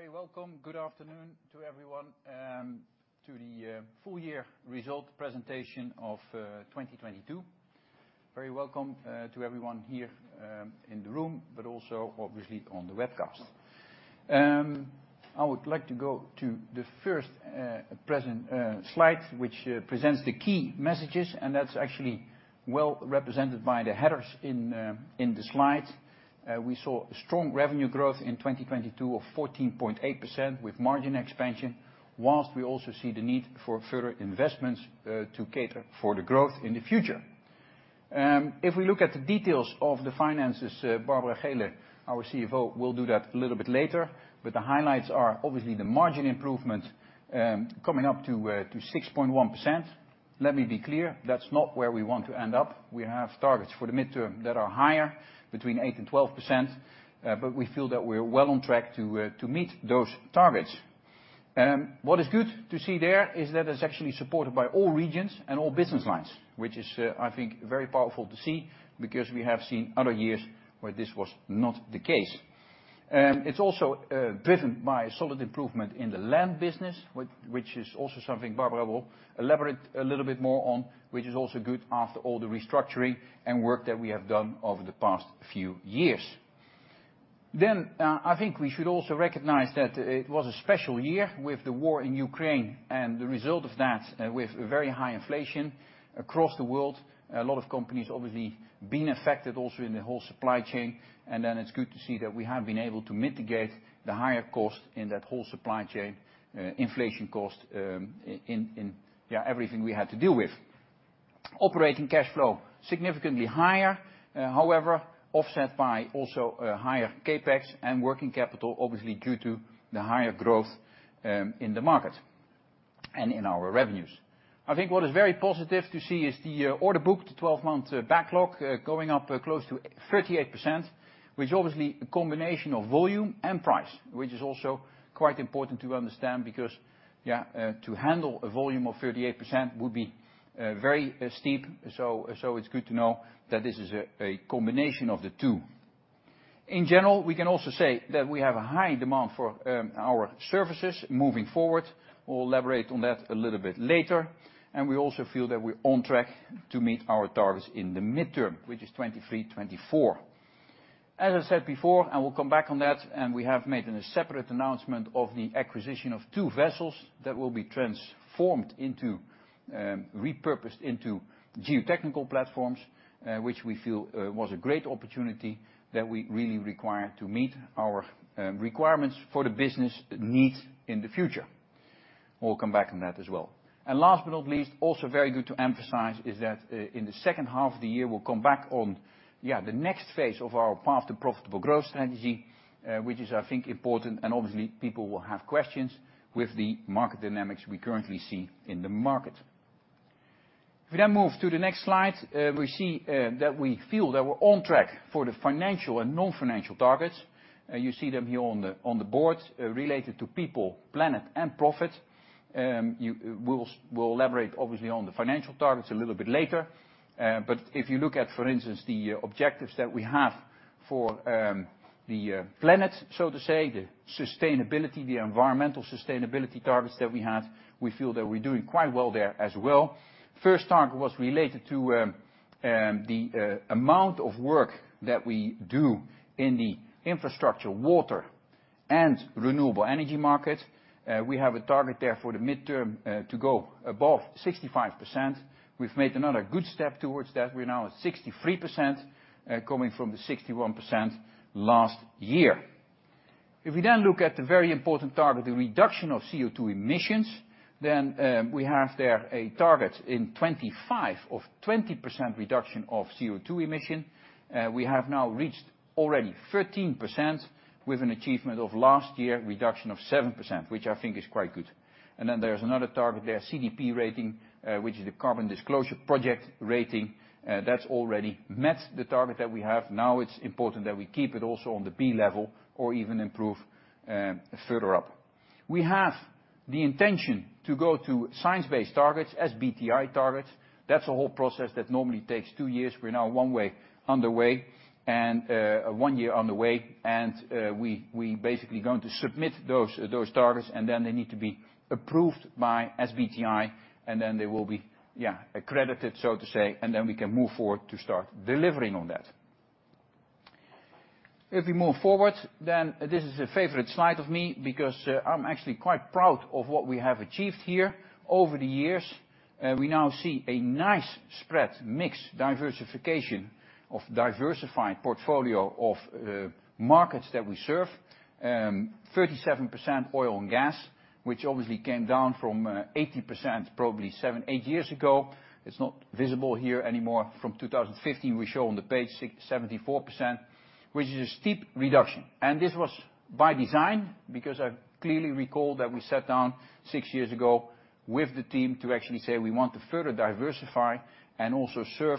Very welcome. Good afternoon to everyone, to the full-year result presentation of 2022. Very welcome to everyone here in the room, but also obviously on the webcast. I would like to go to the first slide, which presents the key messages, and that's actually well represented by the headers in the slide. We saw strong revenue growth in 2022 of 14.8% with margin expansion, whilst we also see the need for further investments to cater for the growth in the future. If we look at the details of the finances, Barbara Geelen, our Chief Financial Officer, will do that a little bit later. The highlights are obviously the margin improvement, coming up to 6.1%. Let me be clear. That's not where we want to end up. We have targets for the mid-term that are higher, between 8% and 12%, we feel that we're well on track to meet those targets. What is good to see there is that it's actually supported by all regions and all business lines, which is, I think, very powerful to see because we have seen other years where this was not the case. It's also driven by solid improvement in the land business, which is also something Barbara Geelen will elaborate a little bit more on, which is also good after all the restructuring and work that we have done over the past few years. I think we should also recognize that it was a special year with the war in Ukraine and the result of that, with very high inflation across the world. A lot of companies obviously been affected also in the whole supply chain, it's good to see that we have been able to mitigate the higher cost in that whole supply chain, inflation cost, in, yeah, everything we had to deal with. Operating cash flow significantly higher, however, offset by also a higher CapEx and working capital, obviously due to the higher growth, in the market and in our revenues. I think what is very positive to see is the order book, the 12-month backlog, going up close to 38%, which obviously a combination of volume and price, which is also quite important to understand because, yeah, to handle a volume of 38% would be very steep. So it's good to know that this is a combination of the two. In general, we can also say that we have a high demand for our services moving forward. We'll elaborate on that a little bit later. We also feel that we're on track to meet our targets in the mid-term, which is 2023, 2024. As I said before, we'll come back on that, we have made a separate announcement of the acquisition of two vessels that will be transformed into, repurposed into geotechnical platforms, which we feel was a great opportunity that we really require to meet our requirements for the business needs in the future. We'll come back on that as well. Last but not least, also very good to emphasize is that in the second half of the year, we'll come back on, yeah, the next phase of our Path to Profitable Growth strategy, which is, I think, important. Obviously, people will have questions with the market dynamics we currently see in the market. If we move to the next slide, we see that we feel that we're on track for the financial and non-financial targets. You see them here on the board, related to people, planet, and profit. We'll elaborate obviously on the financial targets a little bit later. If you look at, for instance, the objectives that we have for the planet, so to say, the sustainability, the environmental sustainability targets that we have, we feel that we're doing quite well there as well. First target was related to the amount of work that we do in the infrastructure, water, and renewable energy market. We have a target there for the mid-term to go above 65%. We've made another good step towards that. We're now at 63%, coming from the 61% last year. We then look at the very important target, the reduction of CO2 emissions, then, we have there a target in 25 of 20% reduction of CO2 emission. We have now reached already 13% with an achievement of last year reduction of 7%, which I think is quite good. There's another target there, CDP rating, which is the Carbon Disclosure Project rating. That's already met the target that we have. It's important that we keep it also on the B level or even improve further up. We have the intention to go to Science Based Targets, SBTi targets. That's a whole process that normally takes two years. We're now one year underway, and we basically going to submit those targets, and then they need to be approved by SBTi, and then they will be, yeah, accredited, so to say, and then we can move forward to start delivering on that. If we move forward, this is a favorite slide of me because I'm actually quite proud of what we have achieved here over the years. We now see a nice spread, mixed diversification of diversified portfolio of markets that we serve. 37% oil and gas, which obviously came down from 80% probably seven, eight years ago. It's not visible here anymore. From 2015, we show on the page, 74%, which is a steep reduction. This was by design because I clearly recall that we sat down six years ago with the team to actually say we want to further diversify and also serve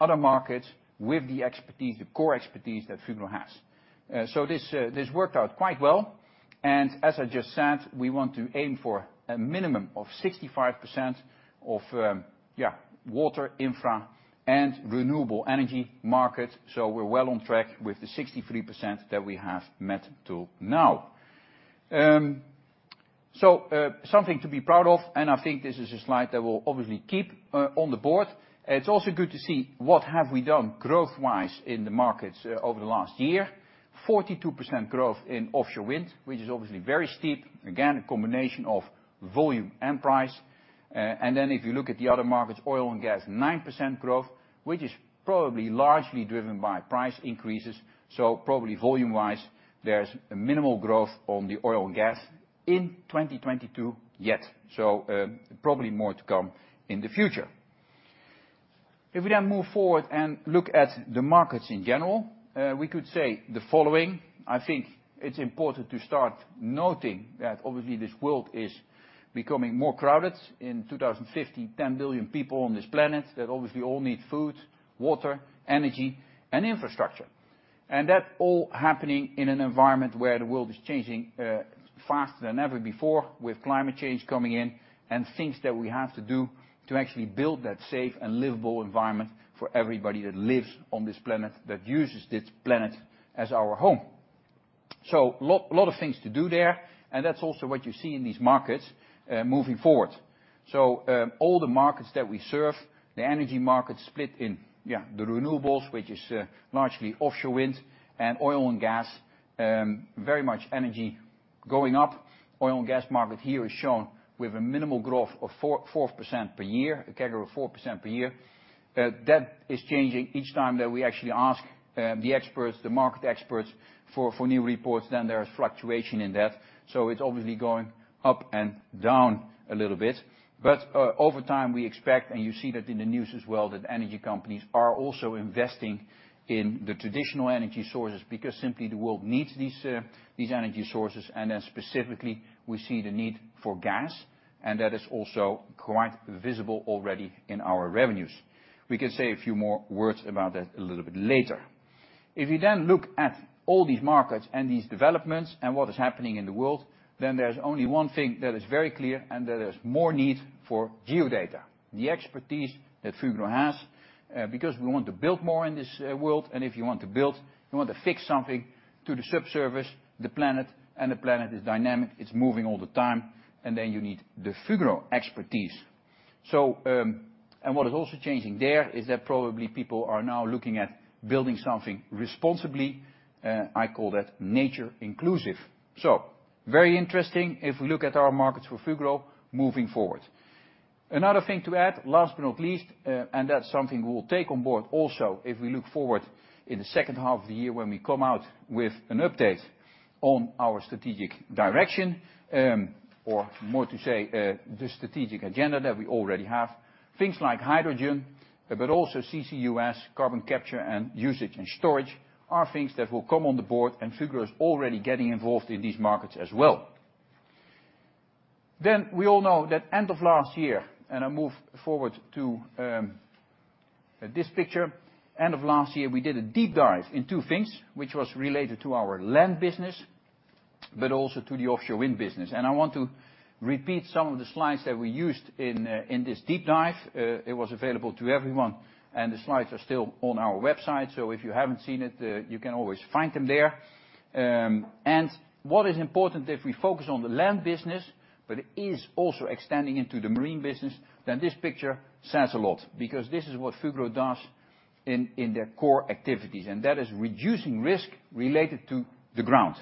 other markets with the expertise, the core expertise that Fugro has. This worked out quite well. As I just said, we want to aim for a minimum of 65% of, yeah, water, infra, and renewable energy market. We're well on track with the 63% that we have met till now. Something to be proud of, and I think this is a slide that we'll obviously keep on the board. It's also good to see what have we done growth-wise in the markets over the last year. 42% growth in offshore wind, which is obviously very steep. Again, a combination of volume and price. If you look at the other markets, oil and gas, 9% growth, which is probably largely driven by price increases. Probably volume-wise, there is a minimal growth on the oil and gas in 2022 yet. Probably more to come in the future. If we move forward and look at the markets in general, we could say the following. I think it's important to start noting that obviously this world is becoming more crowded. In 2050, 10 billion people on this planet that obviously all need food, water, energy, and infrastructure. That all happening in an environment where the world is changing faster than ever before with climate change coming in and things that we have to do to actually build that safe and livable environment for everybody that lives on this planet, that uses this planet as our home. A lot of things to do there, and that's also what you see in these markets moving forward. All the markets that we serve, the energy markets split in the renewables, which is largely offshore wind and oil and gas, very much energy going up. Oil and gas market here is shown with a minimal growth of 4% per year, a CAGR of 4% per year. That is changing each time that we actually ask the experts, the market experts for new reports, then there is fluctuation in that. It's obviously going up and down a little bit. Over time, we expect, and you see that in the news as well, that energy companies are also investing in the traditional energy sources because simply the world needs these energy sources. Specifically, we see the need for gas, and that is also quite visible already in our revenues. We can say a few more words about that a little bit later. If you look at all these markets and these developments and what is happening in the world, there's only one thing that is very clear, and that is more need for geodata. The expertise that Fugro has, because we want to build more in this world, and if you want to build, you want to fix something to the subsurface, the planet, and the planet is dynamic, it's moving all the time, and then you need the Fugro expertise. What is also changing there is that probably people are now looking at building something responsibly. I call that nature inclusive. Very interesting if we look at our markets for Fugro moving forward. Another thing to add, last but not least, that's something we'll take on board also if we look forward in the second half of the year when we come out with an update on our strategic direction, or more to say, the strategic agenda that we already have. Things like hydrogen, but also CCUS, carbon capture and usage and storage, are things that will come on the board, and Fugro is already getting involved in these markets as well. We all know that end of last year, I move forward to this picture. End of last year, we did a deep dive in two things, which was related to our land business, but also to the offshore wind business. I want to repeat some of the slides that we used in this deep dive. It was available to everyone, and the slides are still on our website. If you haven't seen it, you can always find them there. What is important if we focus on the land business, but it is also extending into the marine business, then this picture says a lot because this is what Fugro does in their core activities, and that is reducing risk related to the ground.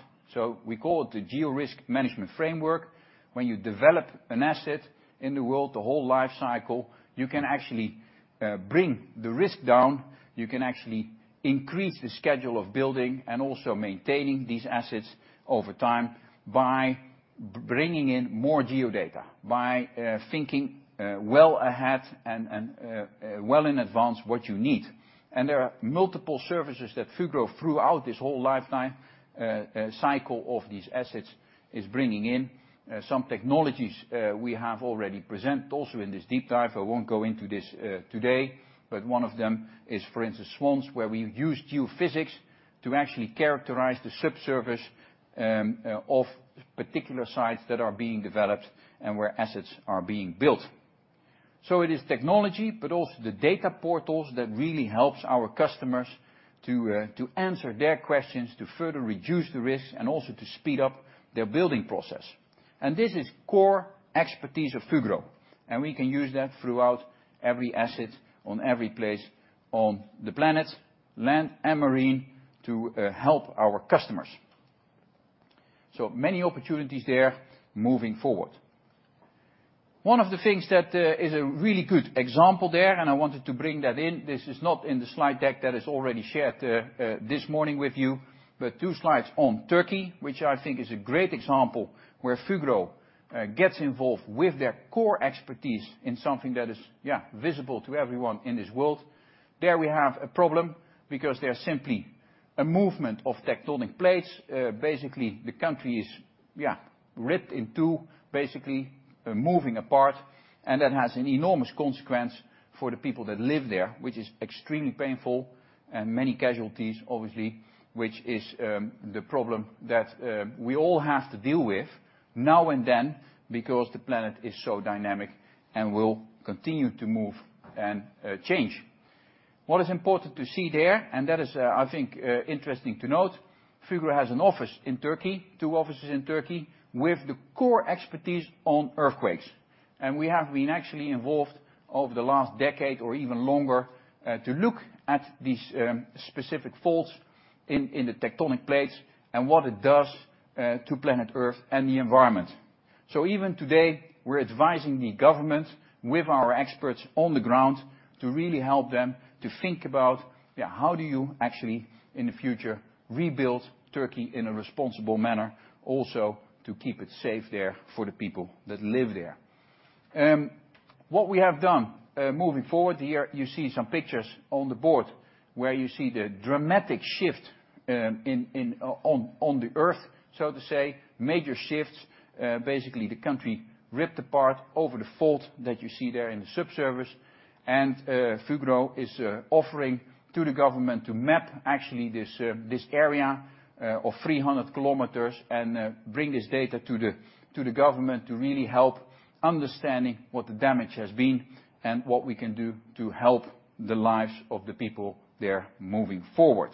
We call it the Geo-Risk Management Framework. When you develop an asset in the world, the whole life cycle, you can actually bring the risk down. You can actually increase the schedule of building and also maintaining these assets over time by bringing in more geodata, by thinking well ahead and well in advance what you need. There are multiple services that Fugro, throughout this whole lifetime cycle of these assets, is bringing in. Some technologies we have already present also in this deep dive. I won't go into this today, but one of them is, for instance, SWANS, where we use geophysics to actually characterize the subsurface of particular sites that are being developed and where assets are being built. It is technology, but also the data portals that really helps our customers to answer their questions, to further reduce the risk, and also to speed up their building process. This is core expertise of Fugro, and we can use that throughout every asset on every place on the planet, land and marine, to help our customers. Many opportunities there moving forward. One of the things that is a really good example there. I wanted to bring that in. This is not in the slide deck that is already shared this morning with you. Two slides on Turkey, which I think is a great example where Fugro gets involved with their core expertise in something that is, yeah, visible to everyone in this world. We have a problem because there's simply a movement of tectonic plates. Basically, the country is ripped in two, basically moving apart, and that has an enormous consequence for the people that live there, which is extremely painful and many casualties, obviously, which is the problem that we all have to deal with now and then because the planet is so dynamic and will continue to move and change. What is important to see there, and that is, I think, interesting to note, Fugro has an office in Turkey, two offices in Turkey, with the core expertise on earthquakes. We have been actually involved over the last decade or even longer, to look at these specific faults in the tectonic plates and what it does to planet Earth and the environment. Even today, we're advising the government with our experts on the ground to really help them to think about, how do you actually in the future rebuild Turkey in a responsible manner, also to keep it safe there for the people that live there. What we have done, moving forward here, you see some pictures on the board where you see the dramatic shift on the Earth, so to say, major shifts. Basically the country ripped apart over the fault that you see there in the subsurface. Fugro is offering to the government to map actually this area of 300 kilometers and bring this data to the government to really help understanding what the damage has been and what we can do to help the lives of the people there moving forward.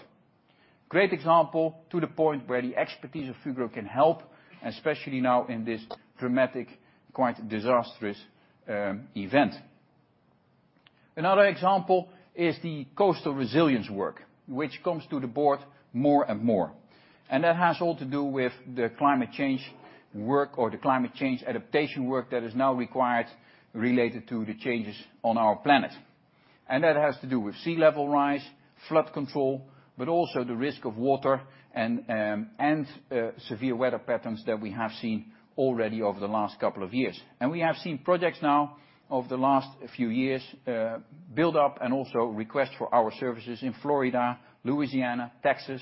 Great example to the point where the expertise of Fugro can help, especially now in this dramatic, quite disastrous event. Another example is the coastal resilience work, which comes to the board more and more. That has all to do with the climate change work or the climate change adaptation work that is now required related to the changes on our planet. That has to do with sea level rise, flood control, but also the risk of water and severe weather patterns that we have seen already over the last couple of years. We have seen projects now over the last few years build up and also request for our services in Florida, Louisiana, Texas,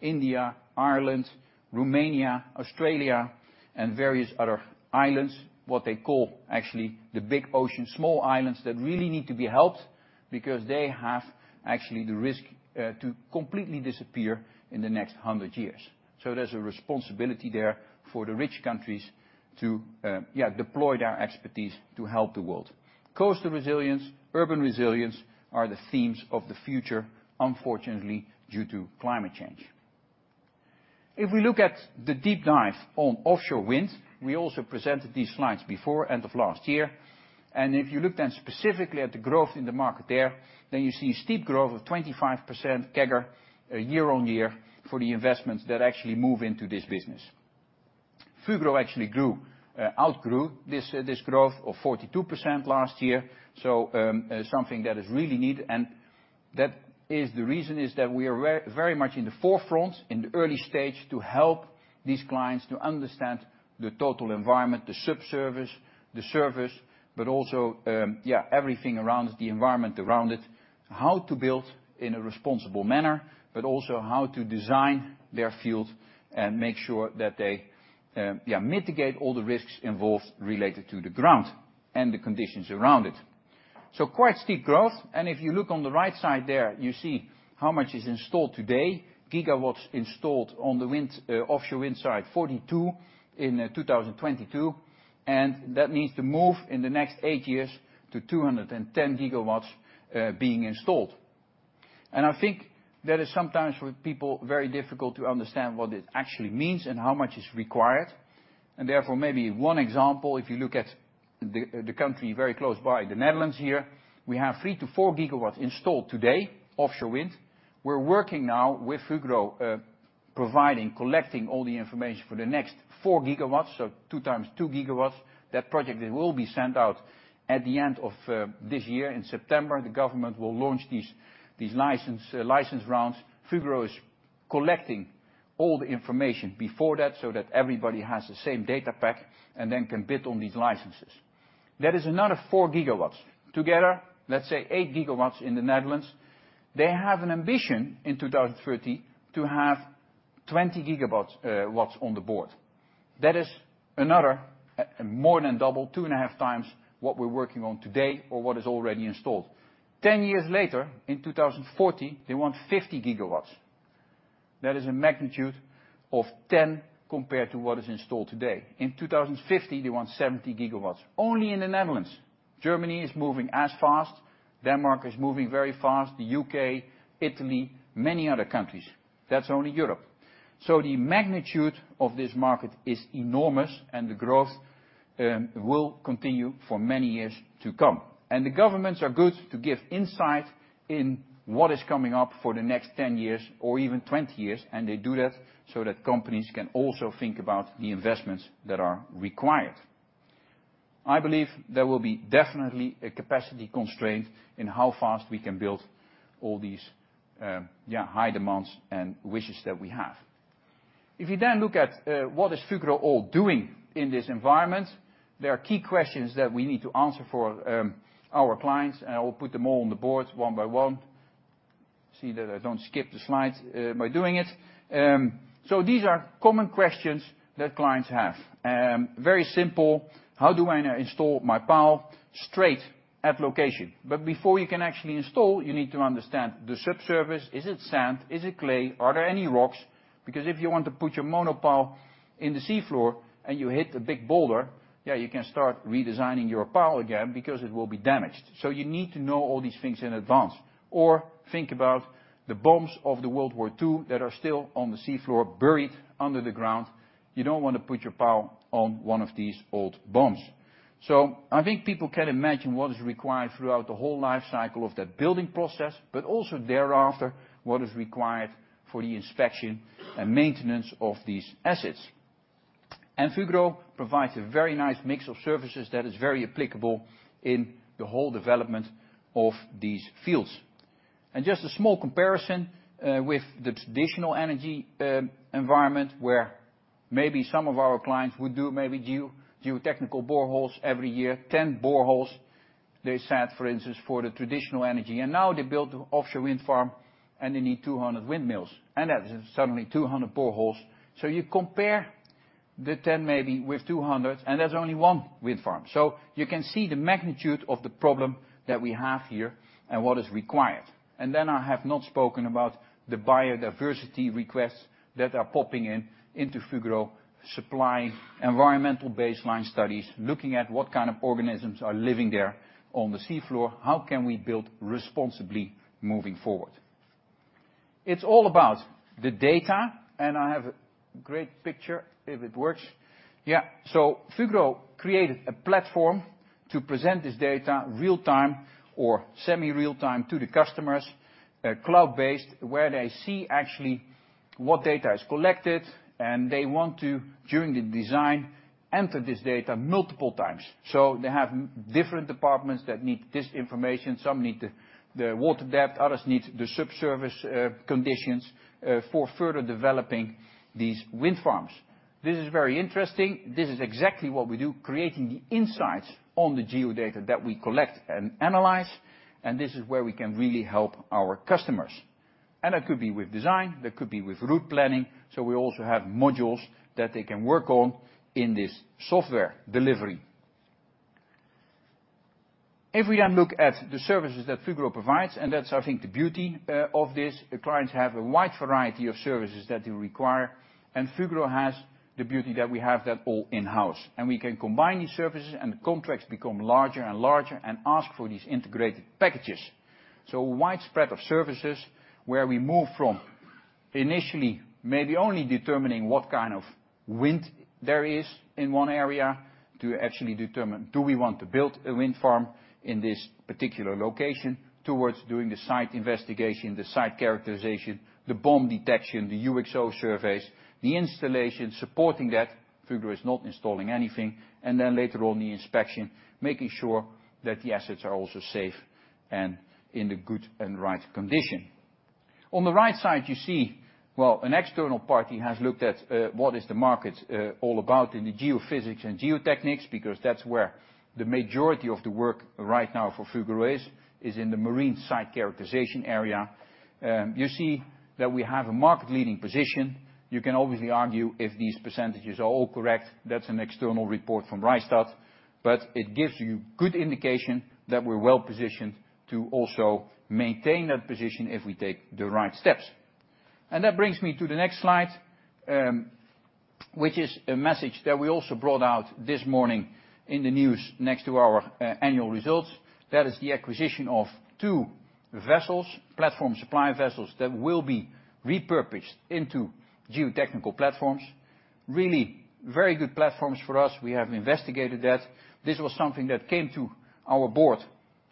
India, Ireland, Romania, Australia, and various other islands, what they call actually the big ocean, small islands that really need to be helped because they have actually the risk to completely disappear in the next 100 years. There's a responsibility there for the rich countries to, yeah, deploy their expertise to help the world. Coastal resilience, urban resilience are the themes of the future, unfortunately, due to climate change. If we look at the deep dive on offshore wind, we also presented these slides before end of last year. If you look specifically at the growth in the market there, you see steep growth of 25% CAGR year on year for the investments that actually move into this business. Fugro actually outgrew this growth of 42% last year. Something that is really needed, and that is the reason is that we are very much in the forefront in the early stage to help these clients to understand the total environment, the subsurface, the service, but also everything around the environment around it, how to build in a responsible manner, but also how to design their field and make sure that they mitigate all the risks involved related to the ground and the conditions around it. Quite steep growth. If you look on the right side there, you see how much is installed today, gigawatts installed on the wind, offshore wind site, 42 in 2022. That needs to move in the next eight years to 210 gigawatts being installed. I think that is sometimes for people very difficult to understand what it actually means and how much is required. Therefore, maybe one example, if you look at the country very close by, the Netherlands here, we have 3 gigawatts-4 gigawatts installed today, offshore wind. We're working now with Fugro, providing, collecting all the information for the next 4 gigawatts, so 2x2 gigawatts. That project will be sent out at the end of this year in September. The government will launch these license rounds. Fugro is collecting all the information before that so that everybody has the same data pack and then can bid on these licenses. That is another 4 gigawatts. Together, let's say 8 gigawatts in the Netherlands. They have an ambition in 2030 to have 20 gigawatts on the board. That is another, more than double, 2.5x What we're working on today or what is already installed. 10 years later, in 2040, they want 50 gigawatts. That is a magnitude of 10 compared to what is installed today. In 2050, they want 70 gigawatts, only in the Netherlands. Germany is moving as fast. Denmark is moving very fast. The U.K., Italy, many other countries. That's only Europe. The magnitude of this market is enormous and the growth will continue for many years to come. The governments are good to give insight in what is coming up for the next 10 years or even 20 years, and they do that so that companies can also think about the investments that are required. I believe there will be definitely a capacity constraint in how fast we can build all these high demands and wishes that we have. What is Fugro all doing in this environment, there are key questions that we need to answer for our clients. I will put them all on the board one by one. See that I don't skip the slide by doing it. These are common questions that clients have. Very simple. How do I install my pile straight at location? Before you can actually install, you need to understand the subsurface. Is it sand? Is it clay? Are there any rocks? If you want to put your monopile in the sea floor and you hit a big boulder, you can start redesigning your pile again because it will be damaged. You need to know all these things in advance. Think about the bombs of World War II that are still on the sea floor, buried under the ground. You don't wanna put your pile on one of these old bombs. I think people can imagine what is required throughout the whole life cycle of that building process, but also thereafter, what is required for the inspection and maintenance of these assets. Fugro provides a very nice mix of services that is very applicable in the whole development of these fields. Just a small comparison with the traditional energy environment, where maybe some of our clients would do maybe geotechnical boreholes every year. 10 boreholes, they set, for instance, for the traditional energy. Now they build offshore wind farm, and they need 200 windmills, and that is suddenly 200 boreholes. You compare the 10 maybe with 200, and there's only one wind farm. You can see the magnitude of the problem that we have here and what is required. Then I have not spoken about the biodiversity requests that are popping in, into Fugro supplying environmental baseline studies, looking at what kind of organisms are living there on the sea floor, how can we build responsibly moving forward. It's all about the data, and I have a great picture if it works. Yeah. Fugro created a platform to present this data real-time or semi-real-time to the customers, cloud-based, where they see actually what data is collected, and they want to, during the design, enter this data multiple times. They have different departments that need this information. Some need the water depth, others need the subsurface conditions for further developing these wind farms. This is very interesting. This is exactly what we do, creating the insights on the geo-data that we collect and analyze, and this is where we can really help our customers. That could be with design, that could be with route planning, so we also have modules that they can work on in this software delivery. If we look at the services that Fugro provides, and that's, I think, the beauty of this, the clients have a wide variety of services that they require, and Fugro has the beauty that we have that all in-house. We can combine these services, and the contracts become larger and larger and ask for these integrated packages. A wide spread of services where we move from initially, maybe only determining what kind of wind there is in one area to actually determine, do we want to build a wind farm in this particular location, towards doing the site investigation, the marine site characterization, the bomb detection, the UXO surveys. The installation supporting that, Fugro is not installing anything. Later on, the inspection, making sure that the assets are also safe and in a good and right condition. On the right side, you see, well, an external party has looked at what is the market all about in the geophysics and geotechnics, because that's where the majority of the work right now for Fugro is in the marine site characterization area. You see that we have a market-leading position. You can obviously argue if these percentages are all correct. That's an external report from Rystad, but it gives you good indication that we're well-positioned to also maintain that position if we take the right steps. That brings me to the next slide, which is a message that we also brought out this morning in the news next to our annual results. The acquisition of two vessels, platform supply vessels, that will be repurposed into geotechnical platforms. Really very good platforms for us. We have investigated that. This was something that came to our board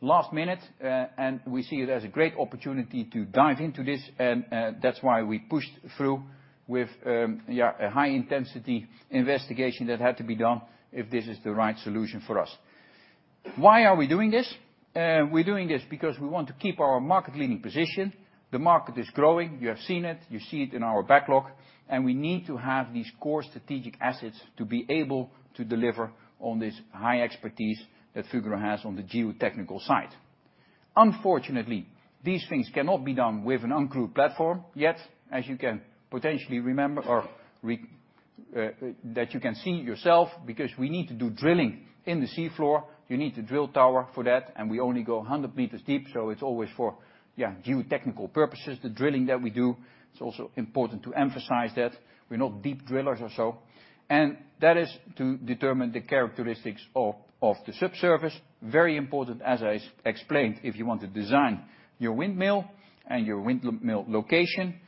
last minute, and we see it as a great opportunity to dive into this and that's why we pushed through with, yeah, a high intensity investigation that had to be done if this is the right solution for us. Why are we doing this? We're doing this because we want to keep our market-leading position. The market is growing. You have seen it. You see it in our backlog. We need to have these core strategic assets to be able to deliver on this high expertise that Fugro has on the geotechnical side. Unfortunately, these things cannot be done with an uncrewed platform. As you can potentially remember or that you can see yourself, because we need to do drilling in the sea floor, you need the drill tower for that. We only go 100 m deep, it's always for, yeah, geotechnical purposes, the drilling that we do. It's also important to emphasize that. We're not deep drillers or so. That is to determine the characteristics of the subsurface. Very important, as I explained, if you want to design your windmill and your windmill location.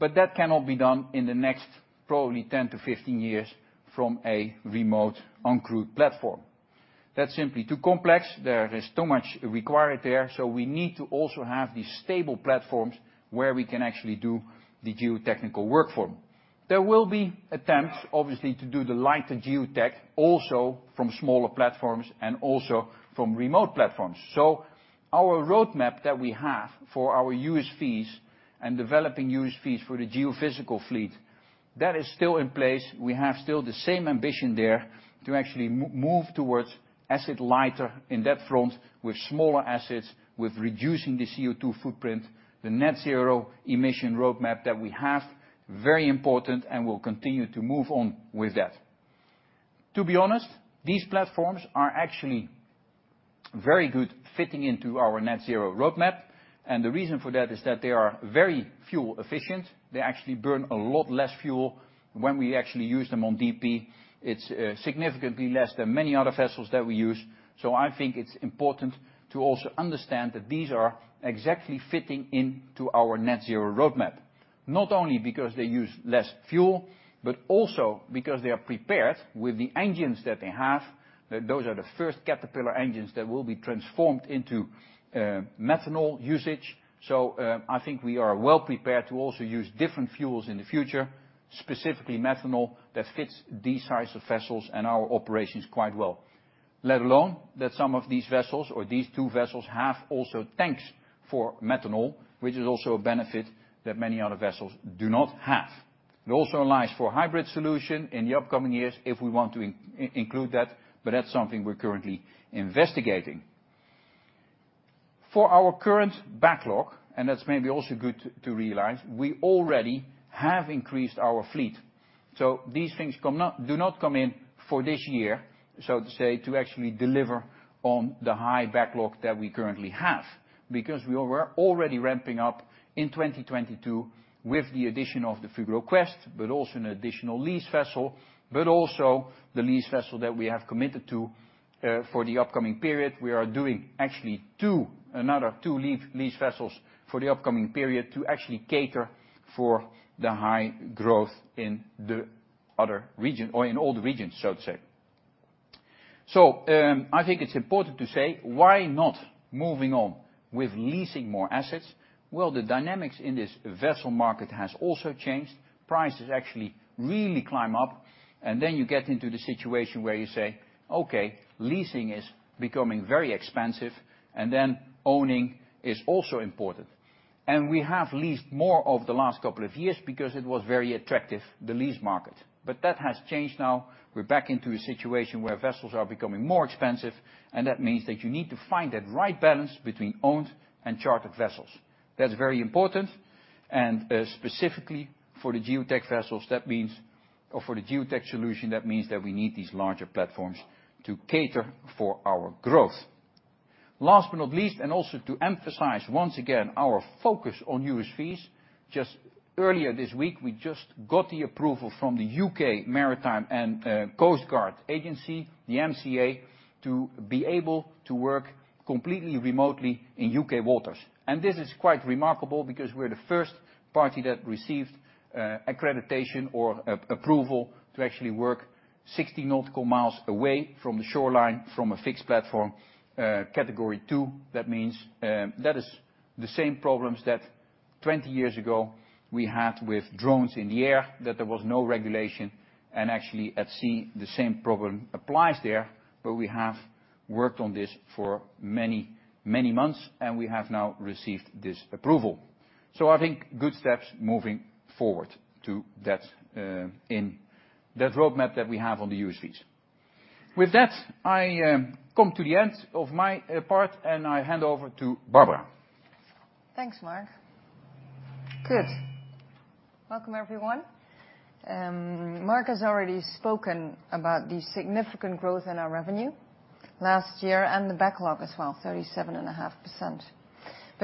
That cannot be done in the next probably 10 years-15 years from a remote uncrewed platform. That's simply too complex. There is too much required there, so we need to also have these stable platforms where we can actually do the geotechnical work for. There will be attempts, obviously, to do the lighter geotech also from smaller platforms and also from remote platforms. Our roadmap that we have for our USVs and developing USVs for the geophysical fleet, that is still in place. We have still the same ambition there to actually move towards asset lighter in that front, with smaller assets, with reducing the CO2 footprint, the net zero emission roadmap that we have, very important, and we'll continue to move on with that. To be honest, these platforms are actually very good fitting into our net zero roadmap, and the reason for that is that they are very fuel efficient. They actually burn a lot less fuel when we actually use them on DP. It's significantly less than many other vessels that we use. I think it's important to also understand that these are exactly fitting into our net zero roadmap, not only because they use less fuel, but also because they are prepared with the engines that they have. That those are the first Caterpillar engines that will be transformed into methanol usage. I think we are well prepared to also use different fuels in the future, specifically methanol, that fits these size of vessels and our operations quite well. Let alone that some of these vessels, or these two vessels, have also tanks for methanol, which is also a benefit that many other vessels do not have. It also allows for hybrid solution in the upcoming years if we want to include that. That's something we're currently investigating. For our current backlog, that's maybe also good to realize, we already have increased our fleet. These things do not come in for this year, so to say, to actually deliver on the high backlog that we currently have, because we were already ramping up in 2022 with the addition of the Fugro Quest, but also an additional lease vessel, but also the lease vessel that we have committed to for the upcoming period. We are doing two, another two lease vessels for the upcoming period to cater for the high growth in the other region, or in all the regions. I think it's important to say, why not moving on with leasing more assets? Well, the dynamics in this vessel market has also changed. Prices really climb up, and then you get into the situation where you say, "Okay, leasing is becoming very expensive," and then owning is also important. We have leased more over the last couple of years because it was very attractive, the lease market. That has changed now. We're back into a situation where vessels are becoming more expensive, and that means that you need to find that right balance between owned and chartered vessels. That's very important, and specifically for the geotech vessels, that means... For the geotech solution, that means that we need these larger platforms to cater for our growth. Last but not least, and also to emphasize once again our focus on USVs, just earlier this week, we just got the approval from the UK Maritime and Coastguard Agency, the MCA, to be able to work completely remotely in UK waters. This is quite remarkable because we're the first party that received accreditation or approval to actually work 60 nautical miles away from the shoreline from a fixed platform, category two. That means, that is the same problems that 20 years ago we had with drones in the air, that there was no regulation, and actually at sea, the same problem applies there. We have worked on this for many, many months, and we have now received this approval. I think good steps moving forward to that, in that roadmap that we have on the USVs. With that, I come to the end of my part, and I hand over to Barbara. Thanks, Mark. Good. Welcome, everyone. Mark has already spoken about the significant growth in our revenue last year and the backlog as well, 37.5%.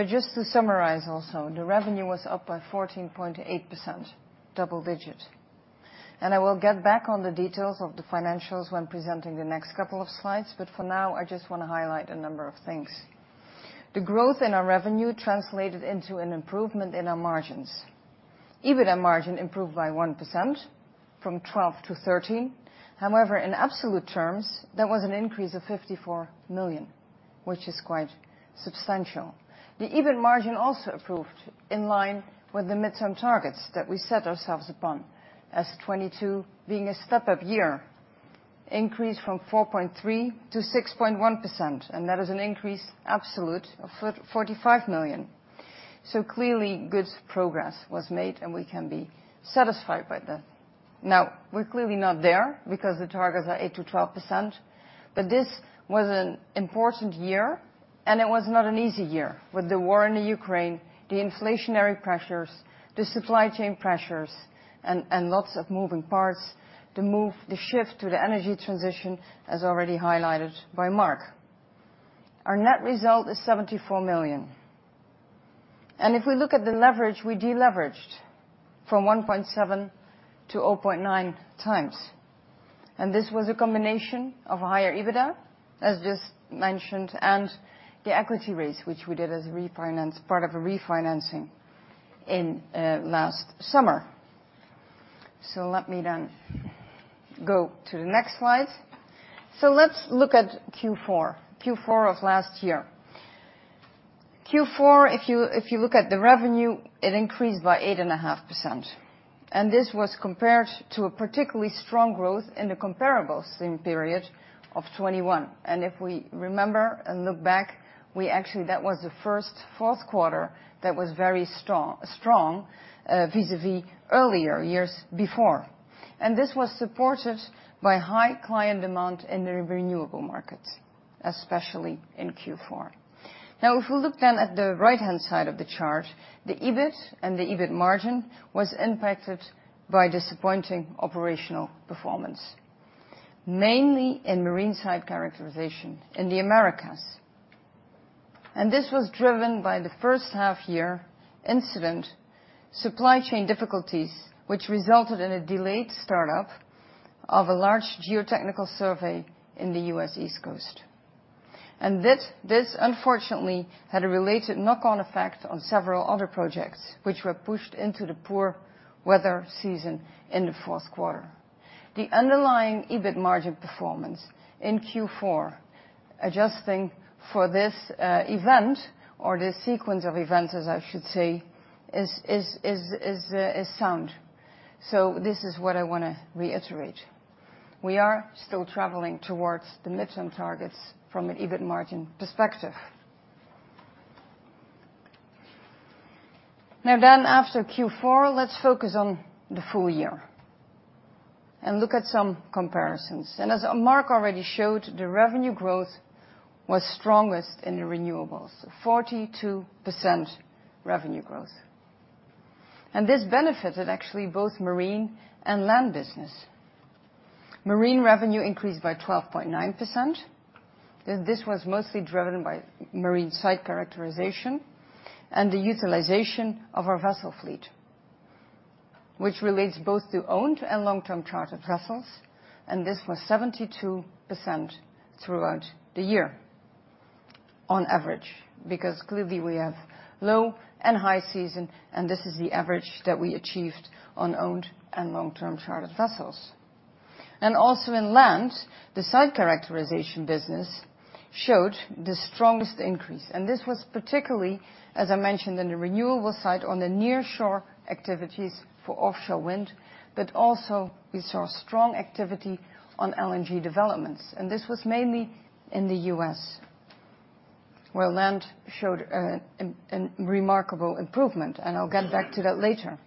Just to summarize also, the revenue was up by 14.8%, double digit. I will get back on the details of the financials when presenting the next couple of slides, but for now, I just wanna highlight a number of things. The growth in our revenue translated into an improvement in our margins. EBITDA margin improved by 1%, from 12%-13%. However, in absolute terms, that was an increase of 54 million, which is quite substantial. The EBIT margin also improved in line with the midterm targets that we set ourselves upon as 2022 being a step-up year, increased from 4.3%-6.1%, that is an increase absolute of 45 million. Clearly, good progress was made, and we can be satisfied by that. We're clearly not there, because the targets are 8%-12%, but this was an important year, and it was not an easy year, with the war in the Ukraine, the inflationary pressures, the supply chain pressures, and lots of moving parts to move the shift to the energy transition, as already highlighted by Mark. Our net result is 74 million. If we look at the leverage, we deleveraged from 1.7x-0.9x, and this was a combination of higher EBITDA, as just mentioned, and the equity raise, which we did as refinance, part of a refinancing in last summer. Let me then go to the next slide. Let's look at Q4 of last year. Q4, if you look at the revenue, it increased by 8.5%. This was compared to a particularly strong growth in the comparable same period of 2021. If we remember and look back, we actually that was the first fourth quarter that was very strong vis-a-vis earlier years before. This was supported by high client demand in the renewable markets, especially in Q4. If we look at the right-hand side of the chart, the EBIT and the EBIT margin was impacted by disappointing operational performance, mainly in marine site characterization in the Americas. This was driven by the first half year incident, supply chain difficulties, which resulted in a delayed start-up of a large geotechnical survey in the U.S. East Coast. This unfortunately had a related knock-on effect on several other projects, which were pushed into the poor weather season in the fourth quarter. The underlying EBIT margin performance in Q4, adjusting for this event or this sequence of events, as I should say, is sound. This is what I wanna reiterate. We are still traveling towards the midterm targets from an EBIT margin perspective. After Q4, let's focus on the full-year and look at some comparisons. As Mark already showed, the revenue growth was strongest in the renewables, 42% revenue growth. This benefited actually both marine and land business. Marine revenue increased by 12.9%. This was mostly driven by marine site characterization and the utilization of our vessel fleet, which relates both to owned and long-term chartered vessels, and this was 72% throughout the year on average. Because clearly, we have low and high season, and this is the average that we achieved on owned and long-term chartered vessels. Also in land, the site characterization business showed the strongest increase. This was particularly, as I mentioned, in the renewable site on the nearshore activities for offshore wind, but also we saw strong activity on LNG developments. This was mainly in the U.S., where land showed a remarkable improvement, and I'll get back to that later.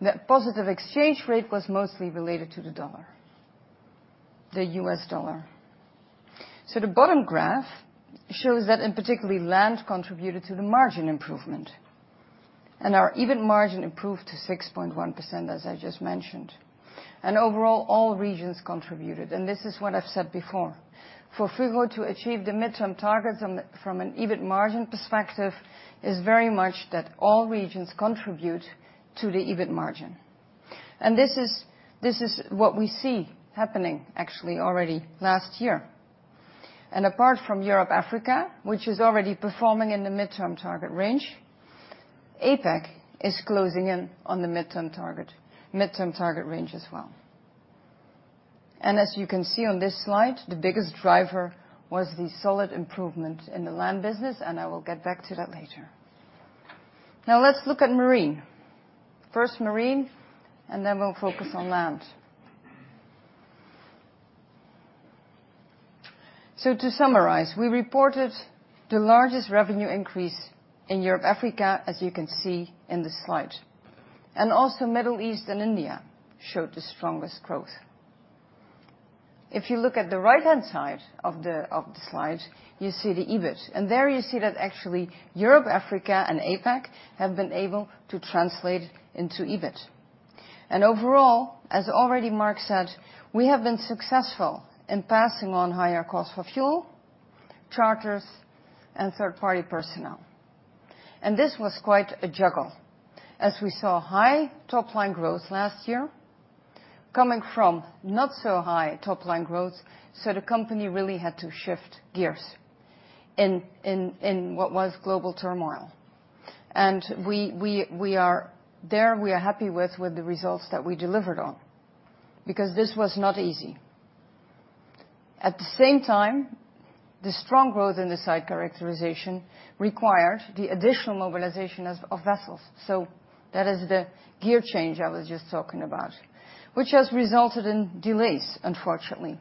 The positive exchange rate was mostly related to the dollar, the US dollar. The bottom graph shows that, and particularly land contributed to the margin improvement. Our EBIT margin improved to 6.1%, as I just mentioned. Overall, all regions contributed, and this is what I've said before. For Fugro to achieve the midterm targets from an EBIT margin perspective is very much that all regions contribute to the EBIT margin. This is what we see happening actually already last year. Apart from Europe, Africa, which is already performing in the midterm target range, APAC is closing in on the midterm target range as well. As you can see on this slide, the biggest driver was the solid improvement in the land business, and I will get back to that later. Now let's look at marine. First marine, and then we'll focus on land. To summarize, we reported the largest revenue increase in Europe, Africa, as you can see in the slide. Also Middle East and India showed the strongest growth. If you look at the right-hand side of the slide, you see the EBIT, and there you see that actually Europe, Africa, and APAC have been able to translate into EBIT. Overall, as already Mark said, we have been successful in passing on higher costs for fuel, charters, and third-party personnel. This was quite a juggle as we saw high top-line growth last year coming from not so high top-line growth, so the company really had to shift gears in what was global turmoil. We are happy with the results that we delivered on because this was not easy. At the same time, the strong growth in the site characterization required the additional mobilization of vessels. That is the gear change I was just talking about, which has resulted in delays, unfortunately,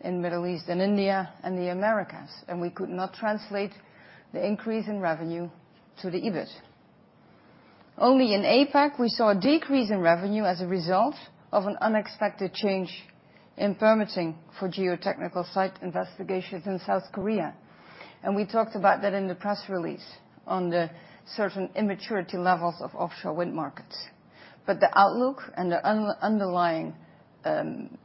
in Middle East and India and the Americas, and we could not translate the increase in revenue to the EBIT. Only in APAC, we saw a decrease in revenue as a result of an unexpected change in permitting for geotechnical site investigations in South Korea. We talked about that in the press release on the certain immaturity levels of offshore wind markets. The outlook and the underlying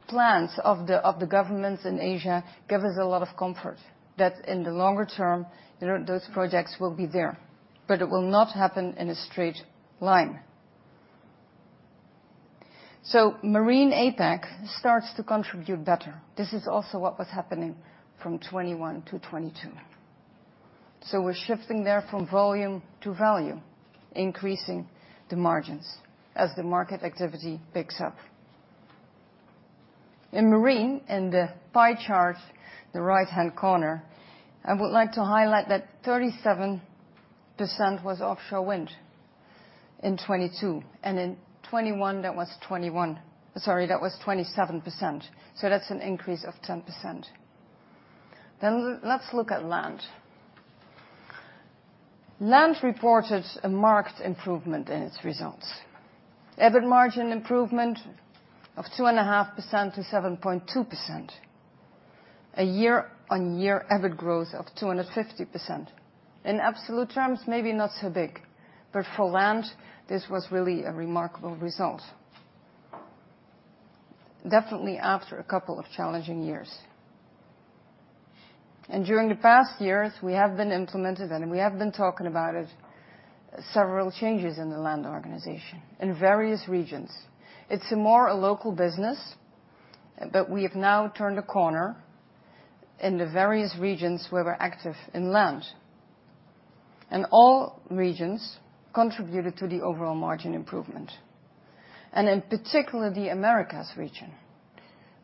plans of the governments in Asia give us a lot of comfort that in the longer term, you know, those projects will be there, but it will not happen in a straight line. Marine APAC starts to contribute better. This is also what was happening from 2021-2022. We're shifting there from volume to value, increasing the margins as the market activity picks up. In marine, in the pie chart, the right-hand corner, I would like to highlight that 37% was offshore wind in 2022, and in 2021, that was 27%. That's an increase of 10%. Let's look at land. Land reported a marked improvement in its results. EBIT margin improvement of 2.5%-7.2%. A year-on-year EBIT growth of 250%. In absolute terms, maybe not so big, but for land, this was really a remarkable result. Definitely after a couple of challenging years. During the past years, we have been implemented, and we have been talking about it, several changes in the land organization in various regions. It's more a local business. We have now turned a corner in the various regions where we're active in land. All regions contributed to the overall margin improvement. In particular, the Americas region,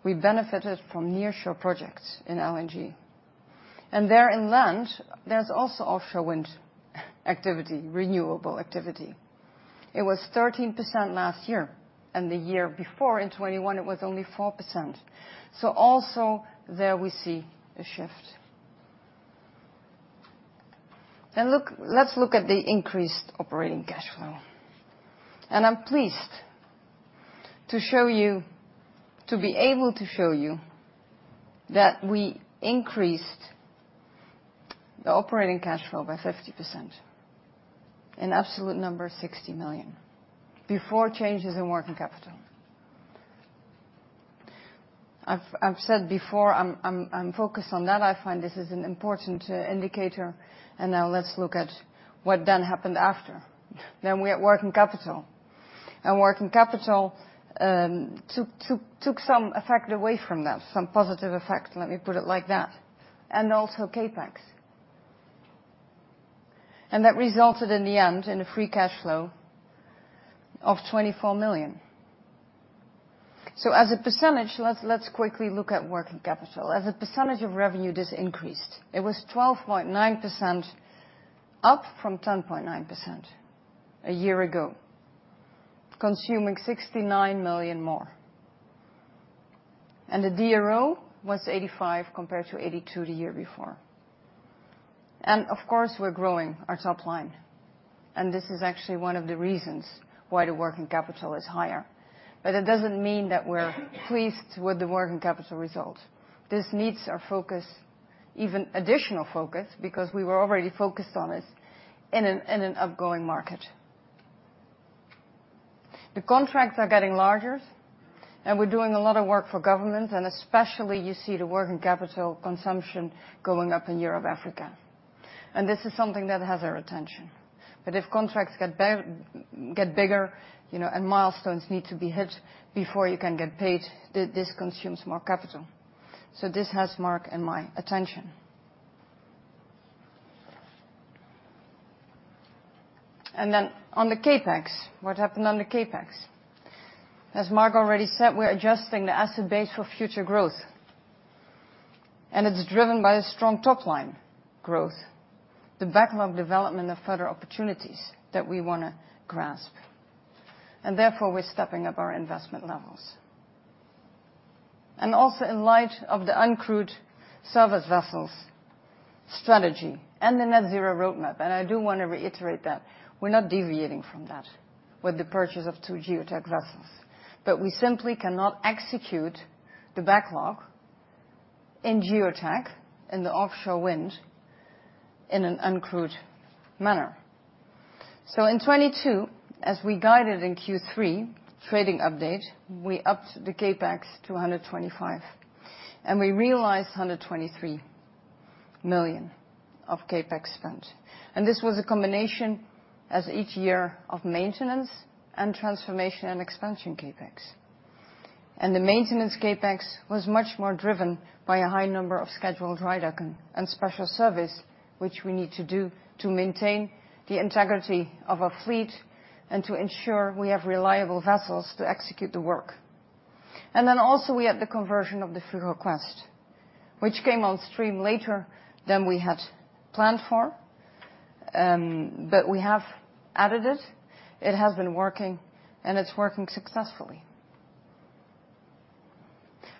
we benefited from nearshore projects in LNG. There in land, there's also offshore wind activity, renewable activity. It was 13% last year, and the year before in 2021, it was only 4%. Also there we see a shift. Look, let's look at the increased operating cash flow. I'm pleased to show you, to be able to show you that we increased the operating cash flow by 50%. In absolute numbers, 60 million, before changes in working capital. I've said before, I'm focused on that. I find this is an important indicator, now let's look at what then happened after. We had working capital. Working capital took some effect away from that, some positive effect, let me put it like that. Also CapEx. That resulted in the end in a free cash flow of 24 million. As a percentage, let's quickly look at working capital. As a percentage of revenue, this increased. It was 12.9%, up from 10.9% a year ago, consuming 69 million more. The DRO was 85 compared to 82 the year before. Of course, we're growing our top line, and this is actually one of the reasons why the working capital is higher. It doesn't mean that we're pleased with the working capital result. This needs our focus, even additional focus, because we were already focused on it in an upgoing market. The contracts are getting larger, we're doing a lot of work for government, especially you see the working capital consumption going up in Europe, Africa. This is something that has our attention. If contracts get bigger, you know, and milestones need to be hit before you can get paid, this consumes more capital. This has Mark and my attention. On the CapEx, what happened on the CapEx? As Mark already said, we're adjusting the asset base for future growth. It's driven by a strong top line growth, the backlog development of further opportunities that we wanna grasp. Therefore, we're stepping up our investment levels. Also in light of the uncrewed surface vessels strategy and the net zero roadmap, I do want to reiterate that we're not deviating from that with the purchase of two geotech vessels, we simply cannot execute the backlog in geotech, in the offshore wind, in an uncrewed manner. In 2022, as we guided in Q3 trading update, we upped the CapEx to 125 million, we realized 123 million of CapEx spent. This was a combination as each year of maintenance and transformation and expansion CapEx. The maintenance CapEx was much more driven by a high number of scheduled drydock and special service, which we need to do to maintain the integrity of our fleet and to ensure we have reliable vessels to execute the work. Also we had the conversion of the Fugro Quest, which came on stream later than we had planned for, but we have added it. It has been working, and it's working successfully.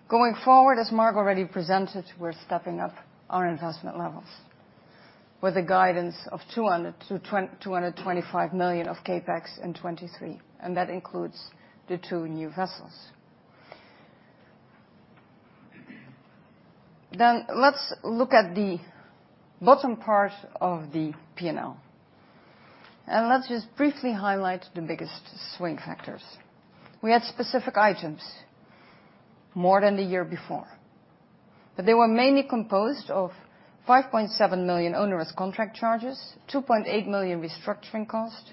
Going forward, as Mark already presented, we're stepping up our investment levels with a guidance of 200 million-225 million of CapEx in 2023, and that includes the two new vessels. Let's look at the bottom part of the P&L, and let's just briefly highlight the biggest swing factors. We had specific items more than the year before, they were mainly composed of 5.7 million onerous contract charges, 2.8 million restructuring costs,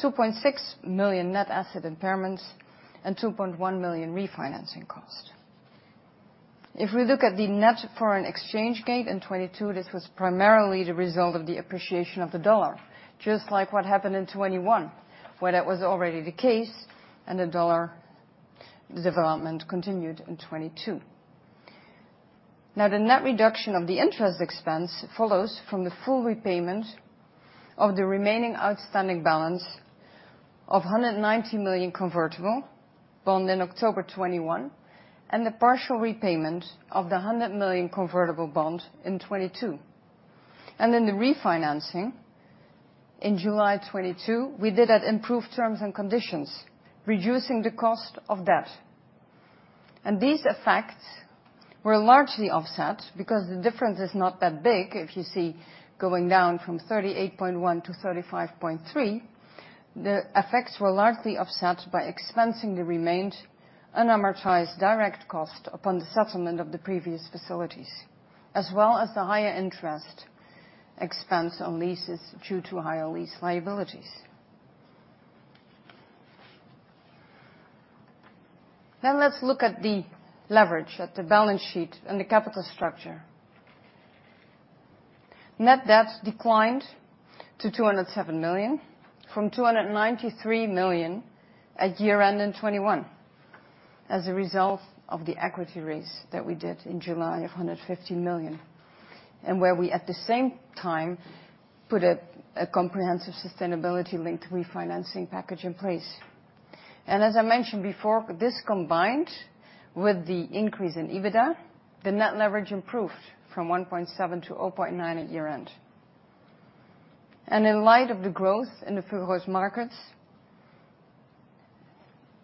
2.6 million net asset impairments, and 2.1 million refinancing costs. We look at the net foreign exchange gain in 2022, this was primarily the result of the appreciation of the dollar, just like what happened in 2021, where that was already the case, and the dollar development continued in 2022. The net reduction of the interest expense follows from the full repayment of the remaining outstanding balance of 190 million convertible bond in October 2021, and the partial repayment of the 100 million convertible bond in 2022. The refinancing in July 2022, we did at improved terms and conditions, reducing the cost of debt. These effects were largely offset because the difference is not that big, if you see going down from 38.1 to 35.3. The effects were largely offset by expensing the remained unamortized direct cost upon the settlement of the previous facilities, as well as the higher interest expense on leases due to higher lease liabilities. Now let's look at the leverage, at the balance sheet and the capital structure. Net debt declined to 207 million from 293 million at year-end in 2021, as a result of the equity raise that we did in July of 150 million, and where we, at the same time, put a comprehensive sustainability-linked refinancing package in place. As I mentioned before, this combined with the increase in EBITDA, the net leverage improved from 1.7-0.9 at year-end. In light of the growth in Fugro's markets,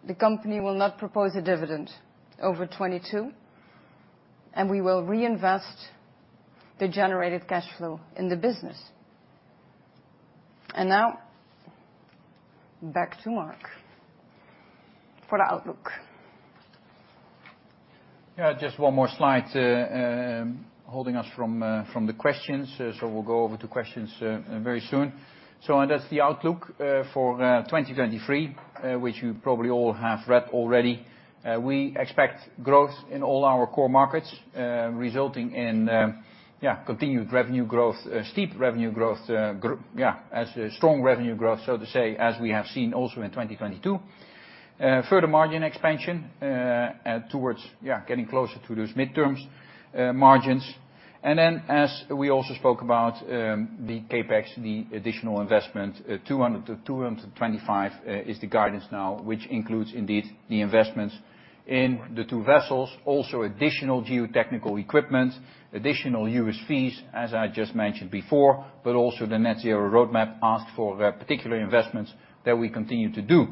the company will not propose a dividend over 2022, and we will reinvest the generated cash flow in the business. Now back to Mark for the outlook. Yeah, just one more slide, holding us from the questions, so we'll go over to questions very soon. That's the outlook for 2023, which you probably all have read already. We expect growth in all our core markets, resulting in, yeah, continued revenue growth, steep revenue growth, as a strong revenue growth, so to say, as we have seen also in 2022. Further margin expansion towards, yeah, getting closer to those midterms, margins. As we also spoke about, the CapEx, the additional investment, 200-225, is the guidance now, which includes indeed the investments in the two vessels, also additional geotechnical equipment, additional USVs, as I just mentioned before, but also the net zero roadmap asked for particular investments that we continue to do.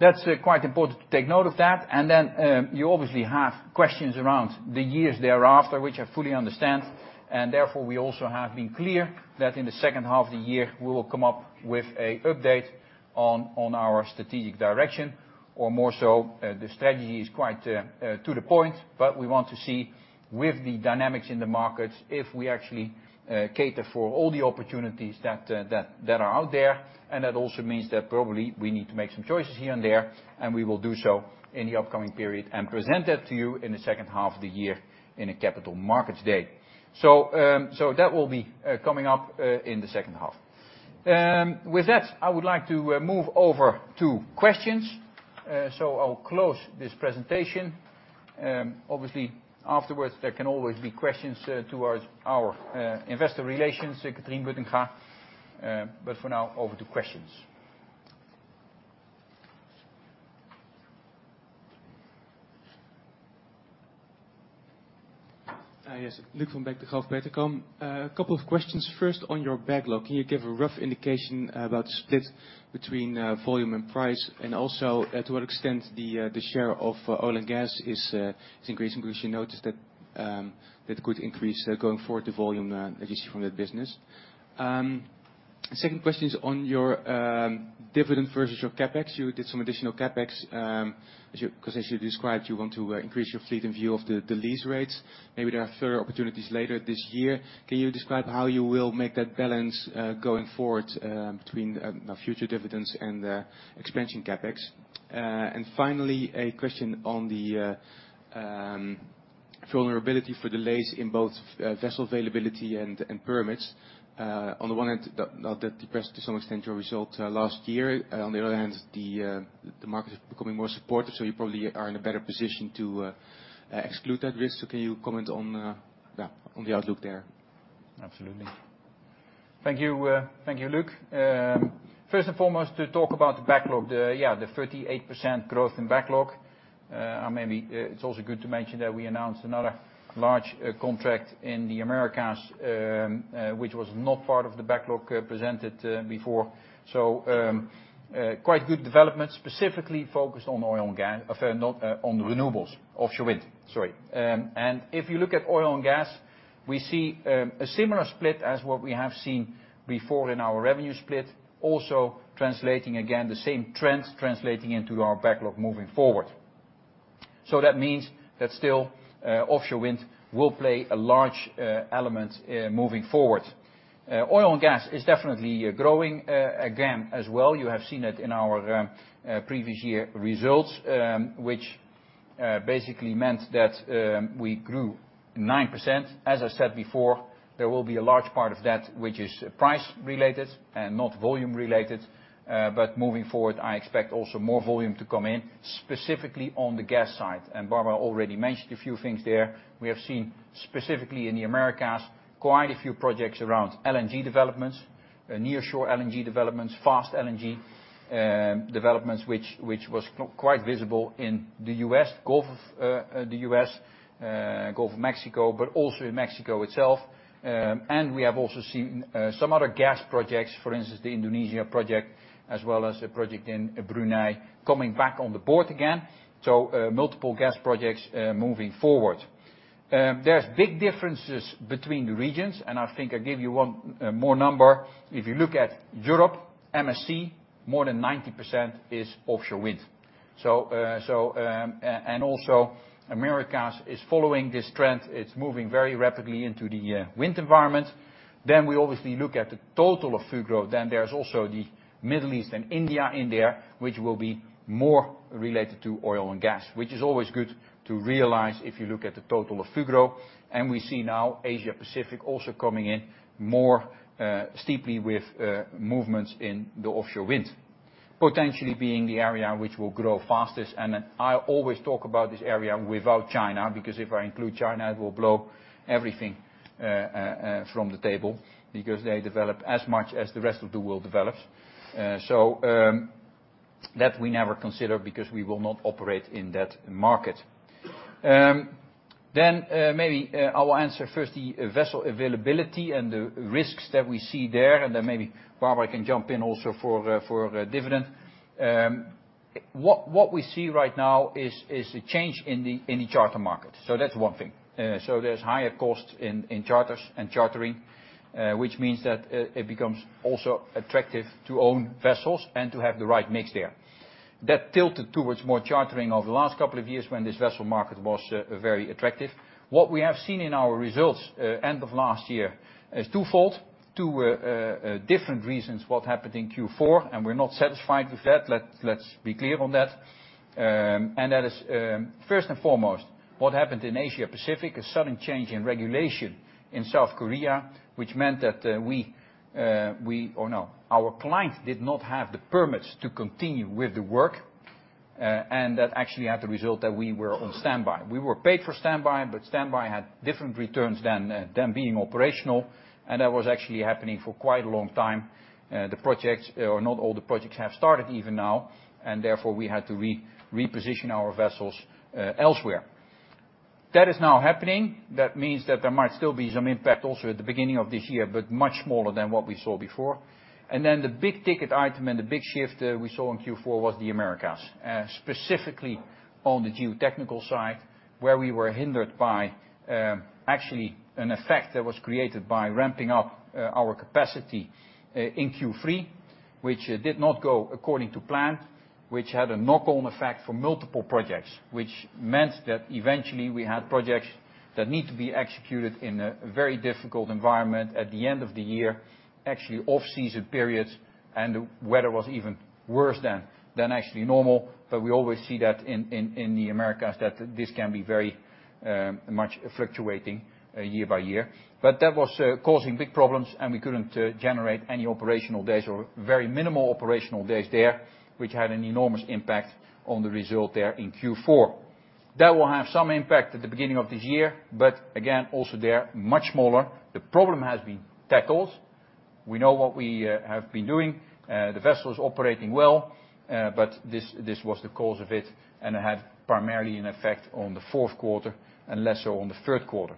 That's quite important to take note of that. You obviously have questions around the years thereafter, which I fully understand. Therefore, we also have been clear that in the second half of the year, we will come up with a update on our strategic direction. More so, the strategy is quite to the point, but we want to see with the dynamics in the markets, if we actually cater for all the opportunities that are out there. That also means that probably we need to make some choices here and there, and we will do so in the upcoming period and present that to you in the second half of the year in a capital markets day. That will be coming up in the second half. With that, I would like to move over to questions. I'll close this presentation. Obviously afterwards, there can always be questions towards our investor relations, Catrine Buitenga. For now, over to questions. Hi, yes. Luuk van Beek, Degroof Petercam. A couple of questions. First, on your backlog, can you give a rough indication about the split between volume and price? And also, to what extent the the share of oil and gas is increasing? Because you noticed that could increase going forward the volume, at least from that business. Second question is on your dividend versus your CapEx. You did some additional CapEx, as you described, you want to increase your fleet in view of the lease rates. Maybe there are further opportunities later this year. Can you describe how you will make that balance going forward, between future dividends and expansion CapEx? A question on the vulnerability for delays in both vessel availability and permits. That depressed to some extent your result last year. The market is becoming more supportive, so you probably are in a better position to exclude that risk. Can you comment on the outlook there? Absolutely. Thank you, thank you, Luuk. First and foremost, to talk about the backlog, the, yeah, the 38% growth in backlog. Or maybe, it's also good to mention that we announced another large contract in the Americas, which was not part of the backlog presented before. So, quite good development, specifically focused on oil and gas, no, on renewables, offshore wind, sorry. And if you look at oil and gas, we see a similar split as what we have seen before in our revenue split, also translating again, the same trends translating into our backlog moving forward. That means that still, offshore wind will play a large element moving forward. Oil and gas is definitely growing again as well. You have seen it in our previous year results, which basically meant that we grew 9%. As I said before, there will be a large part of that which is price related and not volume related. Moving forward, I expect also more volume to come in, specifically on the gas side. Barbara already mentioned a few things there. We have seen specifically in the Americas quite a few projects around LNG developments, nearshore LNG developments, Fast LNG developments which was quite visible in the U.S. Gulf, the U.S. Gulf of Mexico, but also in Mexico itself. We have also seen some other gas projects, for instance, the Indonesia project, as well as a project in Brunei coming back on the board again. Multiple gas projects moving forward. There's big differences between the regions, and I think I give you one more number. If you look at Europe, MSC, more than 90% is offshore wind. Also Americas is following this trend. It's moving very rapidly into the wind environment. We obviously look at the total of Fugro. There's also the Middle East and India in there, which will be more related to oil and gas, which is always good to realize if you look at the total of Fugro. We see now Asia Pacific also coming in more steeply with movements in the offshore wind, potentially being the area which will grow fastest. I always talk about this area without China, because if I include China, it will blow everything from the table, because they develop as much as the rest of the world develops. That we never consider because we will not operate in that market. Maybe I will answer first the vessel availability and the risks that we see there, and then maybe Barbara can jump in also for dividend. What we see right now is a change in the charter market. That's one thing. There's higher costs in charters and chartering, which means that it becomes also attractive to own vessels and to have the right mix there. That tilted towards more chartering over the last couple of years when this vessel market was very attractive. What we have seen in our results end of last year is twofold, two different reasons what happened in Q4. We're not satisfied with that. Let's be clear on that. That is first and foremost, what happened in Asia Pacific, a sudden change in regulation in South Korea, which meant that our clients did not have the permits to continue with the work. That actually had the result that we were on standby. We were paid for standby, but standby had different returns than being operational, and that was actually happening for quite a long time. The projects or not all the projects have started even now, therefore we had to reposition our vessels elsewhere. That is now happening. That means that there might still be some impact also at the beginning of this year, but much smaller than what we saw before. Then the big ticket item and the big shift we saw in Q4 was the Americas, specifically on the geotechnical side, where we were hindered by actually an effect that was created by ramping up our capacity in Q3, which did not go according to plan, which had a knock-on effect for multiple projects, which meant that eventually we had projects that need to be executed in a very difficult environment at the end of the year, actually off-season periods, and weather was even worse than actually normal. We always see that in, in the Americas, that this can be very much fluctuating year-by-year. That was causing big problems, and we couldn't generate any operational days or very minimal operational days there, which had an enormous impact on the result there in Q4. That will have some impact at the beginning of this year, but again, also there much smaller. The problem has been tackled. We know what we have been doing. The vessel is operating well, but this was the cause of it, and it had primarily an effect on the fourth quarter and less so on the third quarter.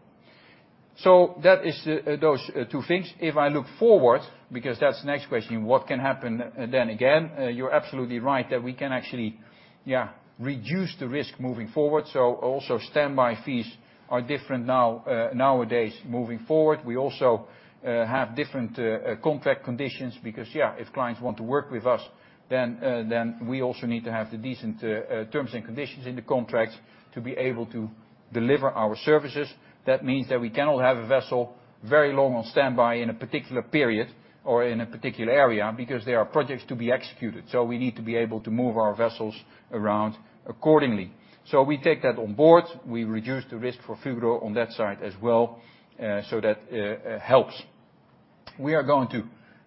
That is those two things. If I look forward, because that's the next question, what can happen then again? You're absolutely right that we can actually, yeah, reduce the risk moving forward. Also standby fees are different now, nowadays moving forward. We also have different contract conditions because, yeah, if clients want to work with us, then we also need to have the decent terms and conditions in the contracts to be able to deliver our services. That means that we cannot have a vessel very long on standby in a particular period or in a particular area because there are projects to be executed. We need to be able to move our vessels around accordingly. We take that on board. We reduce the risk for Fugro on that side as well. That helps. We are going to,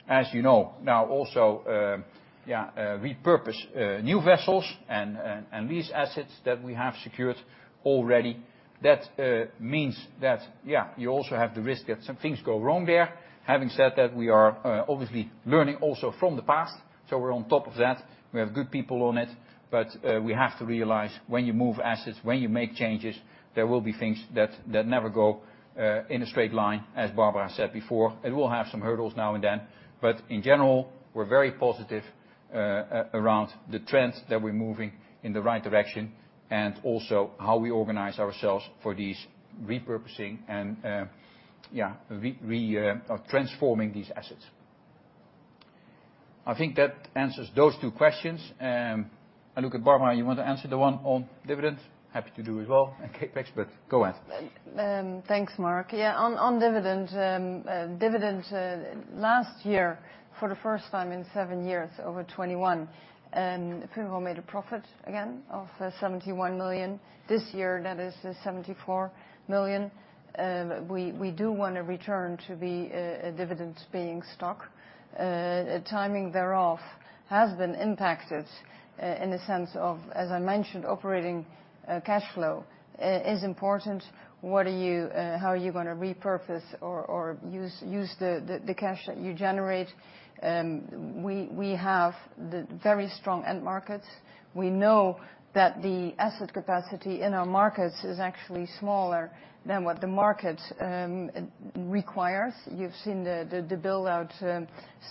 as you know, now also, yeah, repurpose new vessels and these assets that we have secured already. That means that, you also have the risk that some things go wrong there. Having said that, we are obviously learning also from the past. We're on top of that. We have good people on it. We have to realize when you move assets, when you make changes, there will be things that never go in a straight line, as Barbara said before. It will have some hurdles now and then. In general, we're very positive around the trends that we're moving in the right direction and also how we organize ourselves for these repurposing and, or transforming these assets. I think that answers those two questions. I look at Barbara, you want to answer the one on dividend? Happy to do as well. And CapEx, but go ahead. Thanks, Mark. Yeah, on dividend, last year, for the first time in seven years, over 2021, Fugro made a profit again of 71 million. This year, that is 74 million. We do want to return to the dividends paying stock. Timing thereof has been impacted in the sense of, as I mentioned, operating cash flow is important. What are you, how are you gonna repurpose or use the cash that you generate? We have the very strong end markets. We know that the asset capacity in our markets is actually smaller than what the market requires. You've seen the build out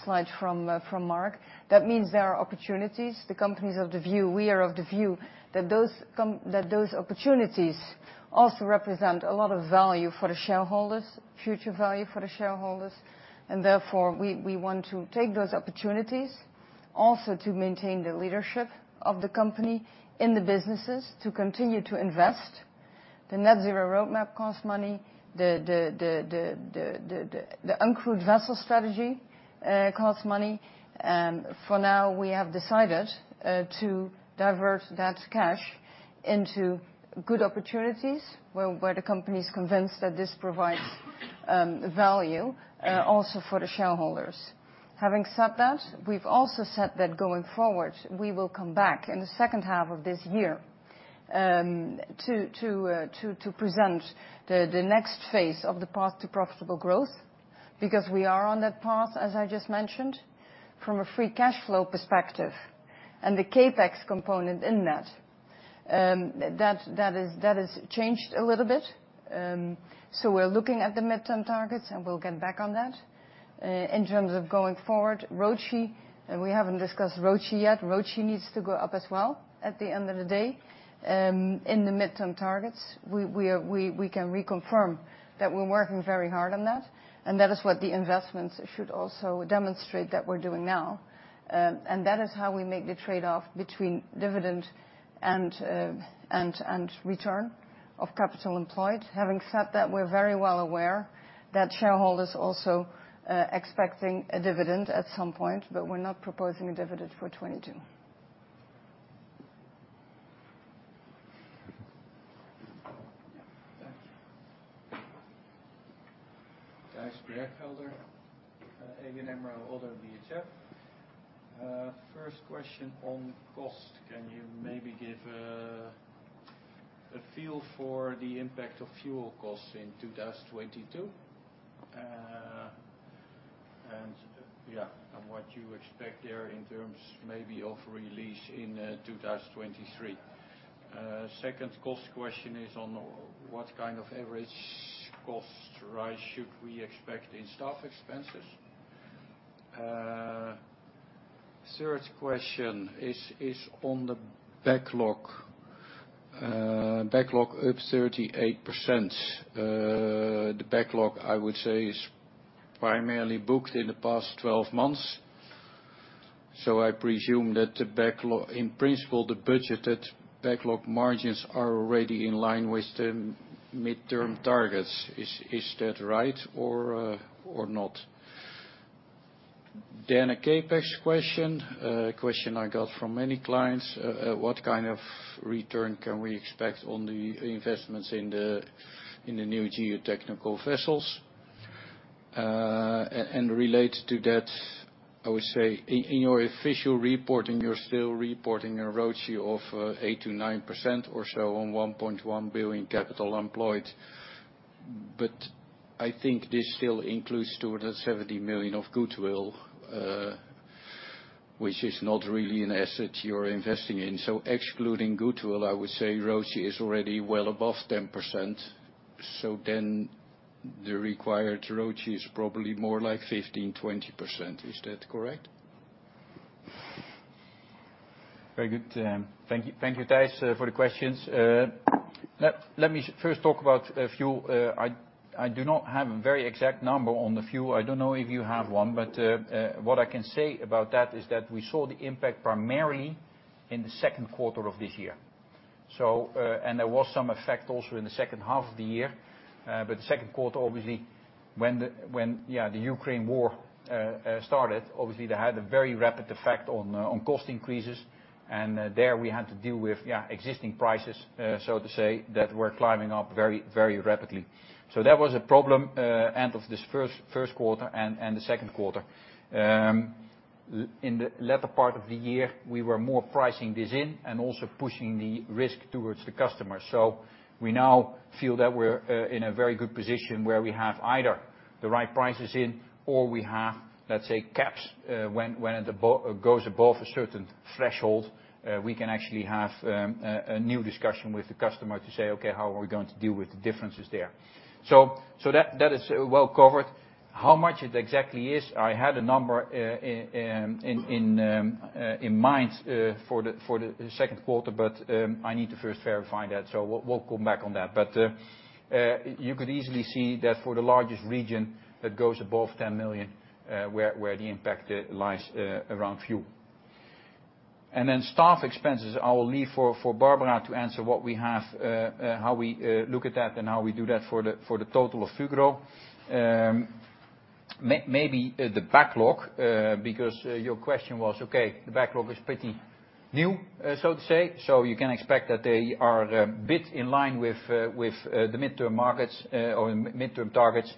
slide from Mark. That means there are opportunities. The companies of the view, we are of the view that those opportunities also represent a lot of value for the shareholders, future value for the shareholders. Therefore we want to take those opportunities also to maintain the leadership of the company in the businesses to continue to invest. The net zero roadmap costs money. The uncrewed vessel strategy costs money. For now, we have decided to divert that cash into good opportunities where the company's convinced that this provides value also for the shareholders. Having said that, we've also said that going forward, we will come back in the second half of this year to present the next phase of the Path to Profitable Growth, because we are on that path, as I just mentioned, from a free cash flow perspective and the CapEx component in that. That has changed a little bit. We're looking at the midterm targets, and we'll get back on that. In terms of going forward, ROCE, and we haven't discussed ROCE yet. ROCE needs to go up as well at the end of the day. In the midterm targets, we can reconfirm that we're working very hard on that, and that is what the investments should also demonstrate that we're doing now. That is how we make the trade-off between dividend and return of capital employed. Having said that, we're very well aware that shareholders also expecting a dividend at some point. We're not proposing a dividend for 2022. Thank you. Thijs Berkelder, ABN AMRO-ODDO BHF. First question on cost. Can you maybe give a feel for the impact of fuel costs in 2022? And what you expect there in terms maybe of release in 2023? Second cost question is on what kind of average cost rise should we expect in staff expenses? Third question is on the backlog. Backlog up 38%. The backlog, I would say, is primarily booked in the past 12 months, so I presume that in principle, the budgeted backlog margins are already in line with the midterm targets. Is that right or not? A CapEx question, a question I got from many clients. What kind of return can we expect on the investments in the new geotechnical vessels? Related to that, I would say in your official reporting, you're still reporting a ROCE of 8%-9% or so on 1.1 billion capital employed. I think this still includes 270 million of goodwill, which is not really an asset you're investing in. Excluding goodwill, I would say ROCE is already well above 10%. The required ROCE is probably more like 15%-20%. Is that correct? Very good. Thank you. Thank you, Thijs, for the questions. Let me first talk about a few. I do not have a very exact number on the few. I don't know if you have one, but what I can say about that is that we saw the impact primarily in the second quarter of this year. There was some effect also in the second half of the year. The second quarter, obviously, when the Ukraine war started, obviously that had a very rapid effect on cost increases. There we had to deal with existing prices, so to say, that were climbing up very rapidly. That was a problem end of this first quarter and the second quarter. In the latter part of the year, we were more pricing this in and also pushing the risk towards the customer. We now feel that we're in a very good position where we have either the right prices in or we have, let's say, caps when it goes above a certain threshold, we can actually have a new discussion with the customer to say, "Okay, how are we going to deal with the differences there?" That is well covered. How much it exactly is, I had a number in mind for the second quarter, but I need to first verify that. We'll come back on that. You could easily see that for the largest region that goes above 10 million where the impact lies around fuel. Staff expenses, I will leave for Barbara to answer what we have, how we look at that and how we do that for the total of Fugro. Maybe the backlog, because your question was, okay, the backlog is pretty new, so to say, so you can expect that they are a bit in line with the midterm markets or mid-midterm targets.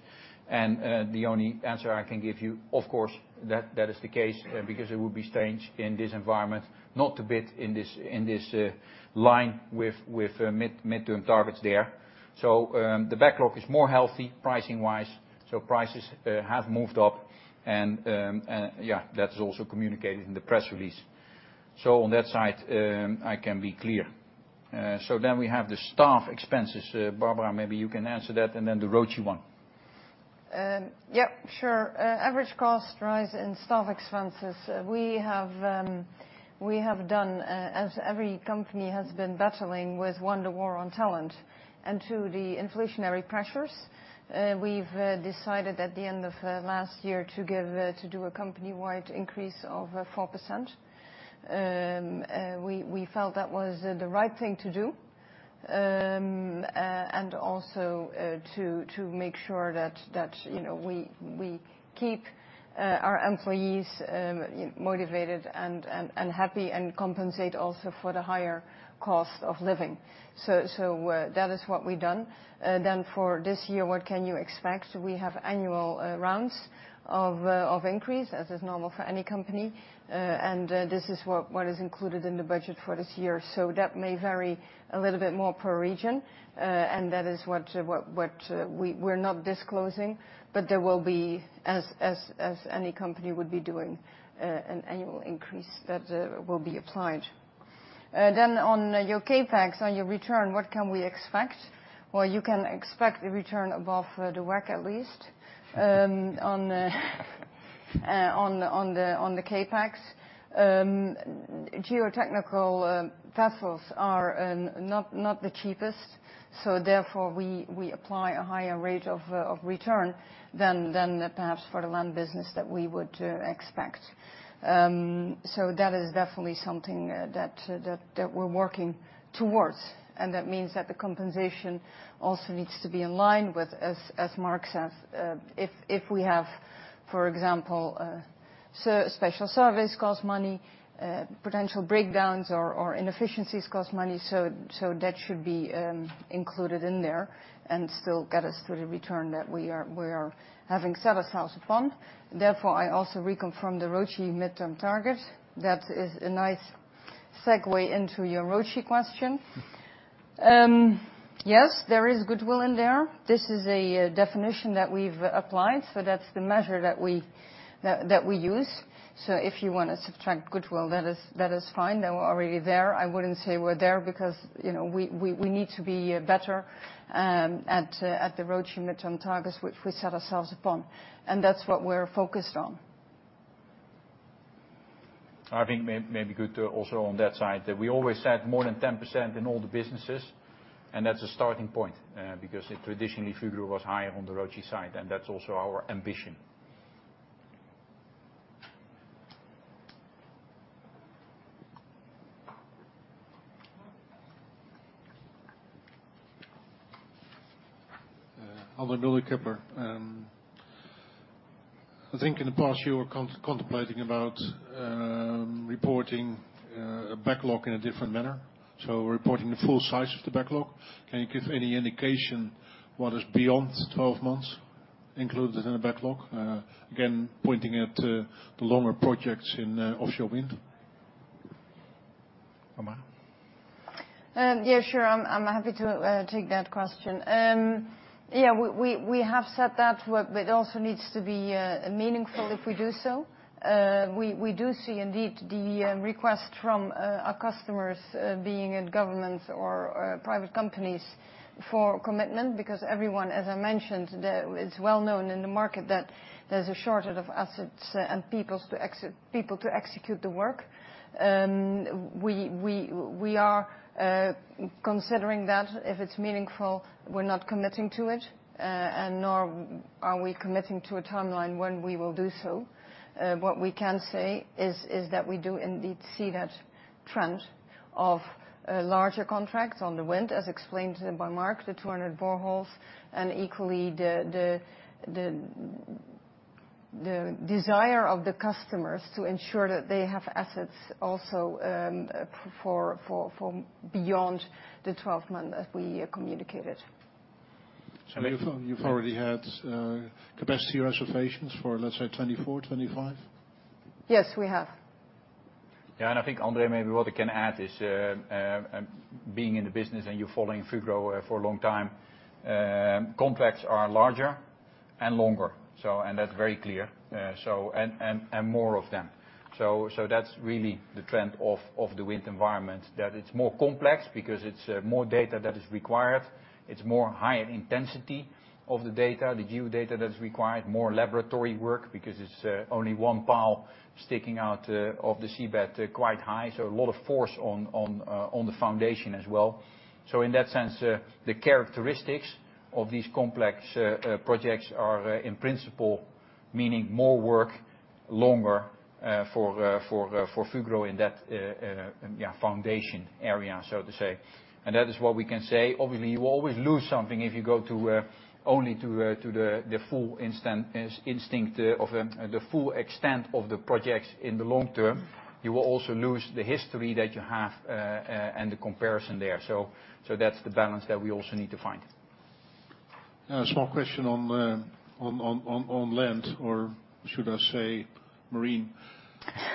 The only answer I can give you, of course, that is the case, because it would be strange in this environment not to bid in this line with mid-midterm targets there. The backlog is more healthy pricing-wise, so prices have moved up and that is also communicated in the press release. On that side, I can be clear. We have the staff expenses. Barbara, maybe you can answer that, and then the ROCE one. Yeah, sure. Average cost rise in staff expenses. We have, we have done, as every company has been battling with won the war on talent, and to the inflationary pressures, we've decided at the end of last year to give, to do a company-wide increase of 4%. We felt that was the right thing to do. Also, to make sure that, you know, we keep our employees motivated and happy and compensate also for the higher cost of living. That is what we've done. For this year, what can you expect? We have annual rounds of increase, as is normal for any company. This is what is included in the budget for this year. That may vary a little bit more per region, and that is what we're not disclosing. There will be, as any company would be doing, an annual increase that will be applied. On your CapEx, on your return, what can we expect? Well, you can expect a return above the WACC at least. On the CapEx, geotechnical vessels are not the cheapest, so therefore, we apply a higher rate of return than perhaps for the land business that we would expect. So that is definitely something that we're working towards, and that means that the compensation also needs to be in line with, as Mark says, if we have, for example, special service costs money, potential breakdowns or inefficiencies cost money, so that should be included in there and still get us to the return that we are having set ourselves upon. Therefore, I also reconfirm the ROCE midterm target. That is a nice segue into your ROCE question. Yes, there is goodwill in there. This is a definition that we've applied, so that's the measure that we use. So if you want to subtract goodwill, that is fine. Now we're already there. I wouldn't say we're there because, you know, we need to be better at the ROCE midterm targets, which we set ourselves upon. That's what we're focused on. I think maybe good to also on that side, that we always set more than 10% in all the businesses. That's a starting point, because traditionally Fugro was higher on the ROCE side. That's also our ambition. Andre Kloppers. I think in the past, you were contemplating about reporting backlog in a different manner, so reporting the full size of the backlog. Can you give any indication what is beyond 12 months included in the backlog? Again, pointing at the longer projects in offshore wind. Barbara? Yeah, sure. I'm happy to take that question. Yeah, we have set that, but it also needs to be meaningful if we do so. We do see indeed the request from our customers, being it governments or private companies, for commitment because everyone, as I mentioned, It's well known in the market that there's a shortage of assets and people to execute the work. We are considering that. If it's meaningful, we're not committing to it, and nor are we committing to a timeline when we will do so. What we can say is that we do indeed see that trend of larger contracts on the wind, as explained by Mark, the 200 boreholes, and equally the desire of the customers to ensure that they have assets also for beyond the 12-month, as we communicated. You've already had capacity reservations for, let's say, 2024, 2025? Yes, we have. I think, Andre, maybe what we can add is, being in the business and you following Fugro for a long time, contracts are larger and longer, so and that's very clear. More of them. That's really the trend of the wind environment, that it's more complex because it's more data that is required. It's more higher intensity of the data, the geo data that's required, more laboratory work because it's only one pile sticking out of the seabed quite high, so, a lot of force on the foundation as well. In that sense, the characteristics of these complex projects are in principle meaning more work, longer, for Fugro in that, in, yeah, foundation area, so to say. That is what we can say. Obviously, you always lose something if you go only to the full extent of the projects in the long term. You will also lose the history that you have and the comparison there. That's the balance that we also need to find. A small question on land, or should I say marine?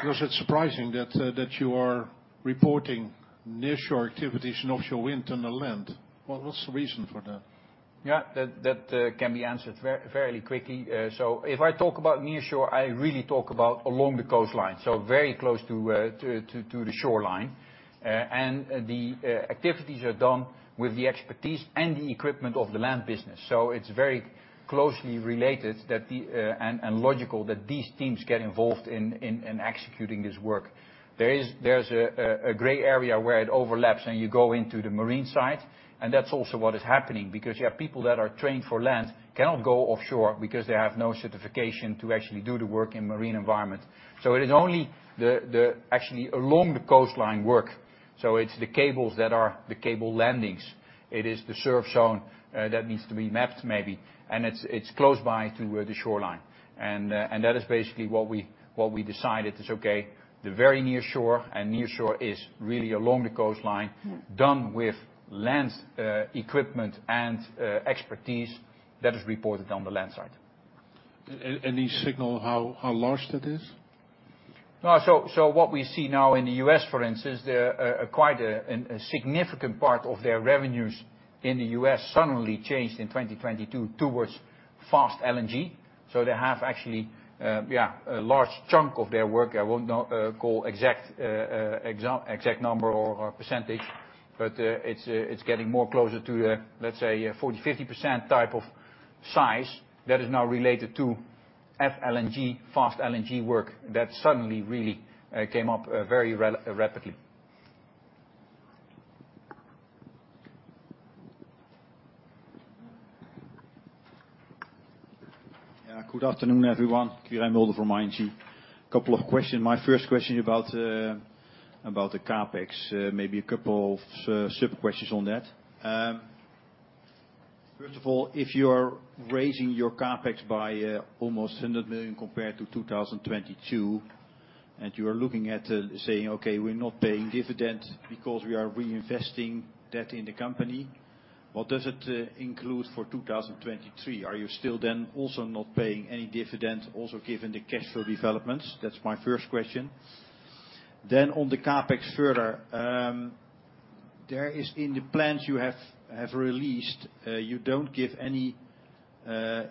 Was it surprising that you are reporting nearshore activities and offshore wind on the land? What's the reason for that? That can be answered fairly quickly. If I talk about nearshore, I really talk about along the coastline, so very close to the shoreline. The activities are done with the expertise and the equipment of the land business. It's very closely related that and logical that these teams get involved in executing this work. There's a gray area where it overlaps, and you go into the marine side, and that's also what is happening because you have people that are trained for land cannot go offshore because they have no certification to actually do the work in marine environments. It is only the actually along the coastline work. It's the cables that are the cable landings. It is the surf zone, that needs to be mapped maybe, and it's close by to, the shoreline. That is basically what we decided is, okay, the very near shore and near shore is really along the coastline. Mm. done with land, equipment and expertise that is reported on the land side. Any signal how large that is? What we see now in the U.S., for instance, there, quite a significant part of their revenues in the U.S. suddenly changed in 2022 towards Fast LNG. They have actually, yeah, a large chunk of their work, I won't call exact number or percentage, but it's getting more closer to, let's say 40%, 50% type of size that is now related to FLNG, Fast LNG work that suddenly really came up very rapidly. Good afternoon, everyone. Quirijn Mulder from ING. Couple of question. My first question about about the CapEx, maybe a couple of sub-questions on that. first of all, if you are raising your CapEx by almost 100 million compared to 2022, you are looking at saying, "Okay, we're not paying dividend because we are reinvesting that in the company," what does it include for 2023? Are you still then also not paying any dividend also given the cash flow developments? That's my first question. On the CapEx further, there is in the plans you have released, you don't give any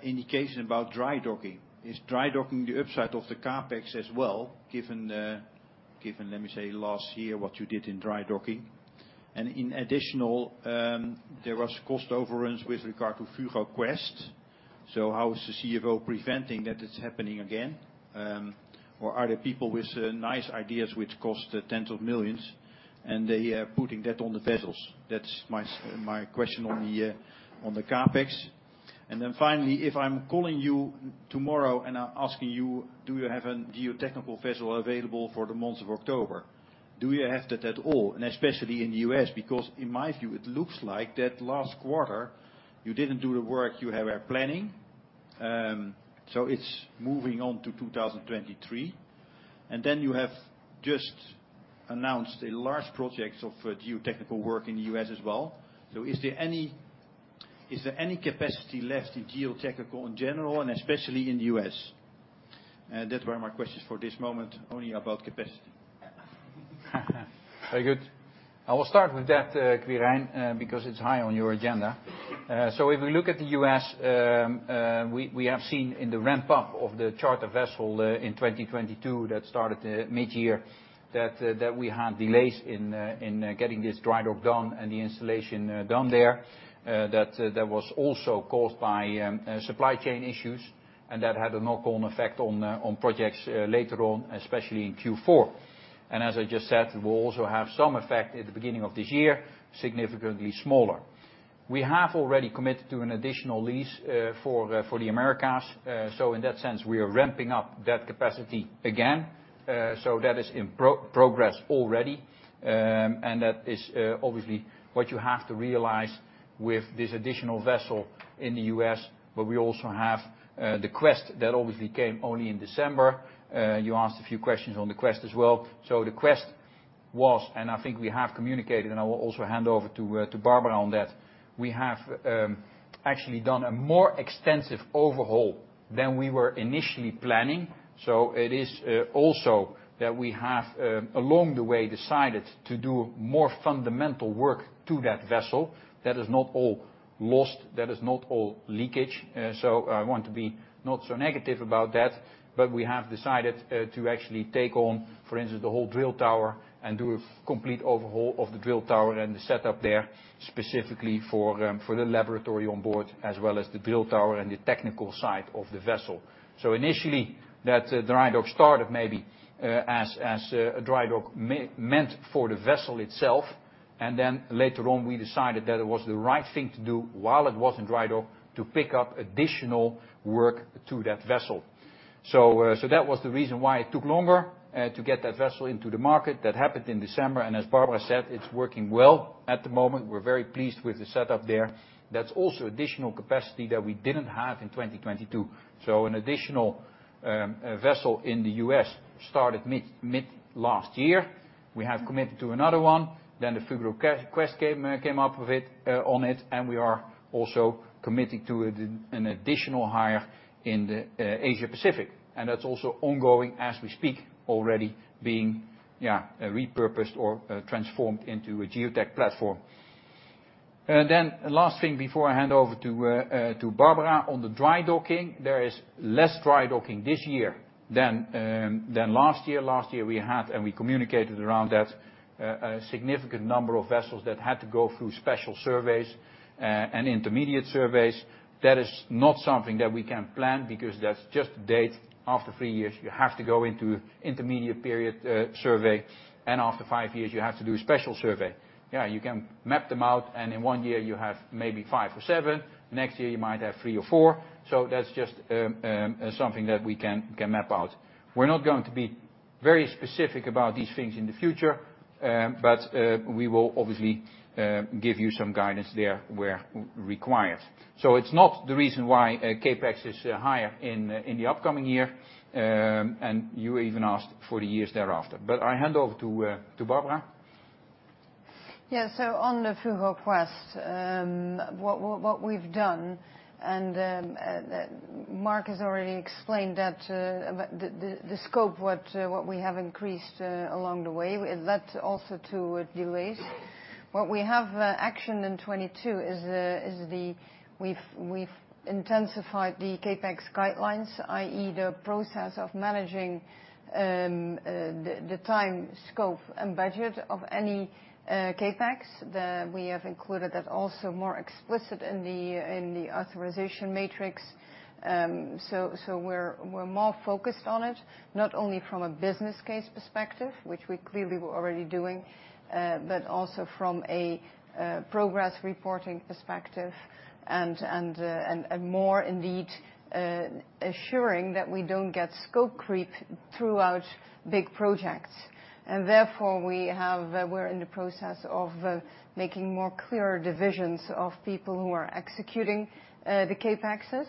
indication about dry docking. Is dry docking the upside of the CapEx as well given, let me say, last year what you did in dry docking? In additional, there was cost overruns with regard to Fugro Quest. How is the CFO preventing that it's happening again? Are there people with nice ideas which cost tens of millions, and they are putting that on the vessels? That's my question on the CapEx. Finally, if I'm calling you tomorrow and I'm asking you, "Do you have a geotechnical vessel available for the month of October?" Do you have that at all, and especially in the U.S.? Because in my view, it looks like that last quarter you didn't do the work you were planning, it's moving on to 2023. You have just announced a large project of geotechnical work in the U.S. as well. Is there any capacity left in geotechnical in general, and especially in the US? That were my questions for this moment, only about capacity. Very good. I will start with that, Quirijn, because it's high on your agenda. If we look at the U.S., we have seen in the ramp-up of the charter vessel in 2022 that started midyear that we had delays in getting this dry dock done and the installation done there. That was also caused by supply chain issues, and that had a knock-on effect on projects later on, especially in Q4. As I just said, we will also have some effect at the beginning of this year, significantly smaller. We have already committed to an additional lease for the Americas. In that sense, we are ramping up that capacity again. That is in progress already. That is obviously what you have to realize with this additional vessel in the U.S., but we also have the Quest that obviously came only in December. You asked a few questions on the Quest as well. The Quest was, and I think we have communicated, and I will also hand over to Barbara on that, we have actually done a more extensive overhaul than we were initially planning. It is also that we have along the way decided to do more fundamental work to that vessel. That is not all lost. That is not all leakage. I want to be not so negative about that. We have decided, actually to take on, for instance, the whole drill tower and do a complete overhaul of the drill tower and the setup there specifically for the laboratory on board, as well as the drill tower and the technical side of the vessel. Initially that dry dock started maybe as a dry dock meant for the vessel itself. Later on, we decided that it was the right thing to do while it was in dry dock to pick up additional work to that vessel. That was the reason why it took longer to get that vessel into the market. That happened in December, and as Barbara said, it's working well at the moment. We're very pleased with the setup there. That's also additional capacity that we didn't have in 2022. An additional vessel in the U.S. started mid-last year. We have committed to another one, the Fugro Quest came up with it on it, and we are also committing to an additional hire in the Asia Pacific. That's also ongoing as we speak, already being, yeah, repurposed or transformed into a geotech platform. Last thing before I hand over to Barbara. On the dry docking, there is less dry docking this year than last year. Last year we had, and we communicated around that, a significant number of vessels that had to go through special surveys and intermediate surveys. That is not something that we can plan because that's just date. After three years, you have to go into intermediate period survey, and after five years, you have to do a special survey. You can map them out, and in one year you have maybe five or seven. Next year you might have three or four. That's just something that we can map out. We're not going to be very specific about these things in the future, but we will obviously give you some guidance there where required. It's not the reason why CapEx is higher in the upcoming year, and you even asked for the years thereafter. I hand over to Barbara. Yeah. On the Fugro Quest, what we've done, and Mark has already explained that, the scope what we have increased along the way, that's also to delays. What we have action in 22 is the we've intensified the CapEx guidelines, i.e., the process of managing the time, scope, and budget of any CapEx. We have included that also more explicit in the authorization matrix. We're more focused on it, not only from a business case perspective, which we clearly were already doing, but also from a progress reporting perspective and more indeed assuring that we don't get scope creep throughout big projects. Therefore, we have, we're in the process of making more clearer divisions of people who are executing the CapExes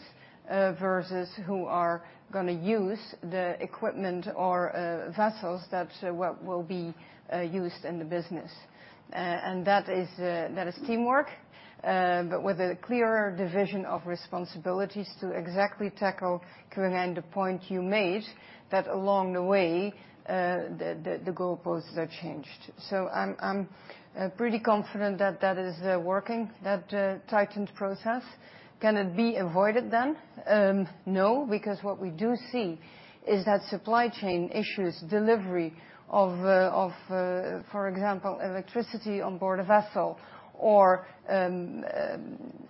versus who are gonna use the equipment or vessels that what will be used in the business. That is, that is teamwork, but with a clearer division of responsibilities to exactly tackle, Koen, the point you made that along the way, the, the goalposts are changed. I'm pretty confident that that is working, that tightened process. Can it be avoided then? No, because what we do see is that supply chain issues, delivery of, for example, electricity on board a vessel or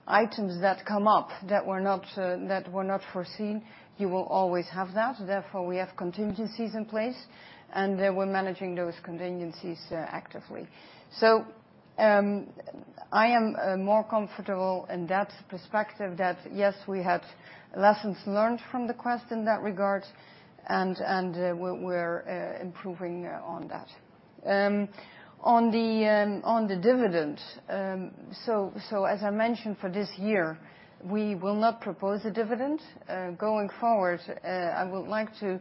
items that come up that were not that were not foreseen, you will always have that. We have contingencies in place, and we're managing those contingencies actively. I am more comfortable in that perspective that, yes, we had lessons learned from the Quest in that regard, and we're improving on that. On the dividend, as I mentioned for this year, we will not propose a dividend. Going forward, I would like to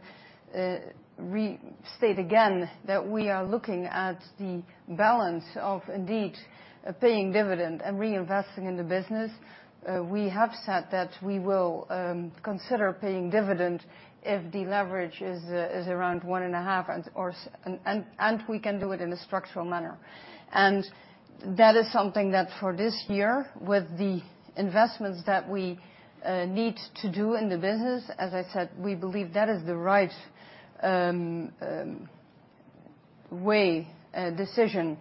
restate again that we are looking at the balance of indeed paying dividend and reinvesting in the business. We have said that we will consider paying dividend if the leverage is around 1.5 and, or and we can do it in a structural manner. That is something that for this year, with the investments that we need to do in the business, as I said, we believe that is the right way decision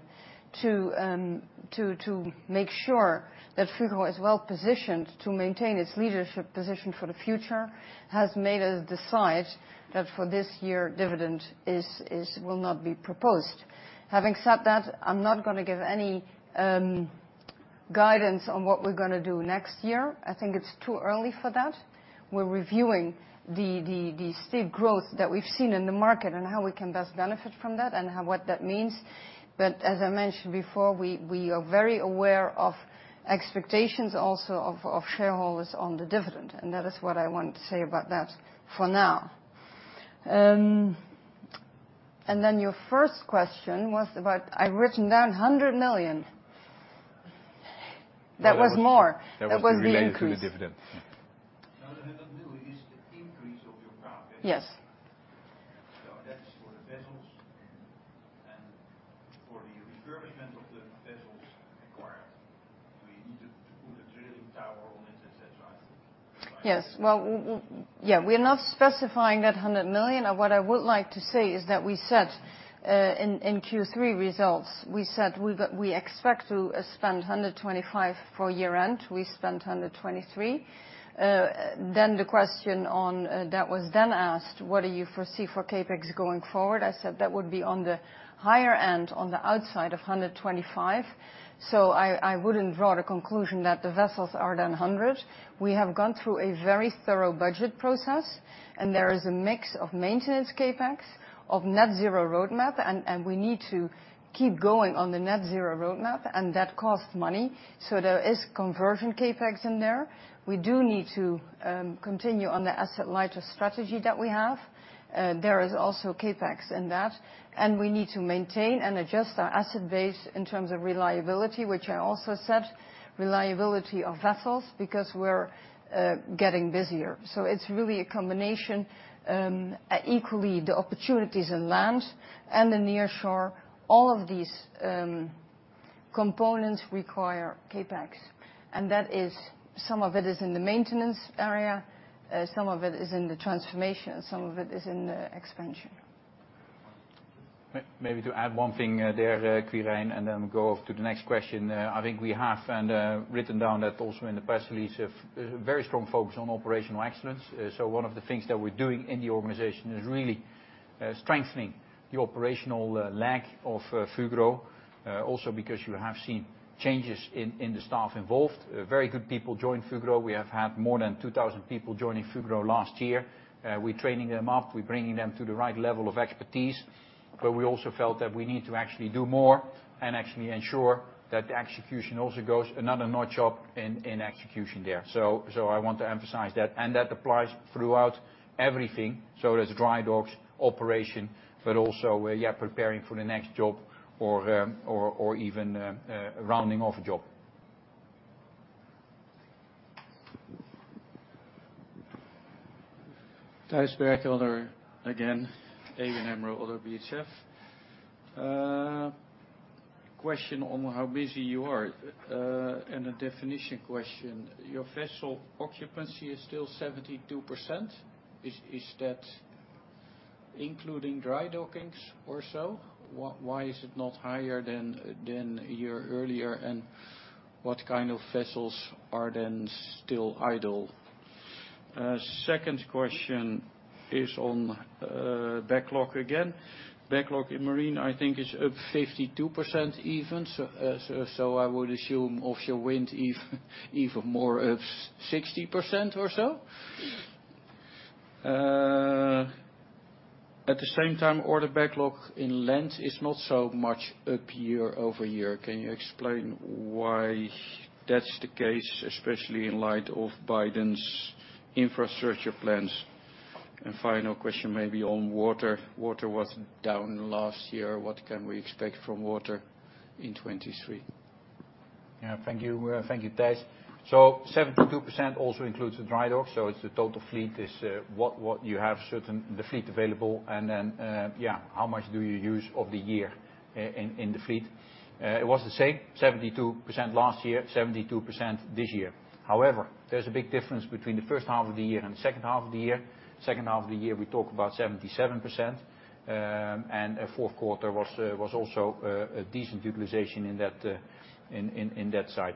to make sure that Fugro is well positioned to maintain its leadership position for the future, has made us decide that for this year, dividend will not be proposed. Having said that, I'm not gonna give any guidance on what we're gonna do next year. I think it's too early for that. We're reviewing the steep growth that we've seen in the market and how we can best benefit from that and how, what that means. As I mentioned before, we are very aware of expectations also of shareholders on the dividend, and that is what I want to say about that for now. I've written down 100 million. That was more. That was the increase. That was related to the dividend. No, the EUR 100 million is the increase of your profit. Yes. That is for the vessels and for the refurbishment of the vessels acquired. We need to put a drilling tower on it, et cetera, I think. Yes. Well, yeah, we're not specifying that 100 million. What I would like to say is that we said, in Q3 results, we said we expect to spend 125 for year-end. We spent 123. The question on, that was then asked, what do you foresee for CapEx going forward? I said, "That would be on the higher end on the outside of 125." I wouldn't draw the conclusion that the vessels are then 100. We have gone through a very thorough budget process, and there is a mix of maintenance CapEx, of net zero roadmap, and we need to keep going on the net zero roadmap, and that costs money. There is conversion CapEx in there. We do need to continue on the asset-lighter strategy that we have. There is also CapEx in that. we need to maintain and adjust our asset base in terms of reliability, which I also said, reliability of vessels because we're getting busier. it's really a combination, equally the opportunities in land and the nearshore, all of these components require CapEx. that is, some of it is in the maintenance area, some of it is in the transformation, and some of it is in the expansion. Maybe to add one thing there, Quirijn, and then we go off to the next question. I think we have and written down that also in the press release of very strong focus on operational excellence. One of the things that we're doing in the organization is really strengthening the operational lag of Fugro. Also because you have seen changes in the staff involved. Very good people joined Fugro. We have had more than 2,000 people joining Fugro last year. We're training them up. We're bringing them to the right level of expertise. We also felt that we need to actually do more and actually ensure that the execution also goes another notch up in execution there. I want to emphasize that. That applies throughout everything. That's dry docks, operation, but also we're preparing for the next job or even rounding off a job. Thijs Berkelder again, ABN AMRO-ODDO BHF. Question on how busy you are and a definition question. Your vessel occupancy is still 72%. Is that including dry dockings or so? Why is it not higher than a year earlier? What kind of vessels are then still idle? Second question is on backlog again. Backlog in marine, I think, is up 52% even, so I would assume offshore wind even more, up 60% or so. At the same time, order backlog in land is not so much up year-over-year. Can you explain why that's the case, especially in light of Biden's infrastructure plans? Final question maybe on water. Water was down last year. What can we expect from water in 2023? Thank you. Thank you, Thijs. 72% also includes the dry dock. It's the total fleet is what you have certain, the fleet available and then, how much do you use of the year in the fleet. It was the same, 72% last year, 72% this year. However, there's a big difference between the first half of the year and second half of the year. Second half of the year, we talk about 77%. Fourth quarter was also a decent utilization in that, in that side.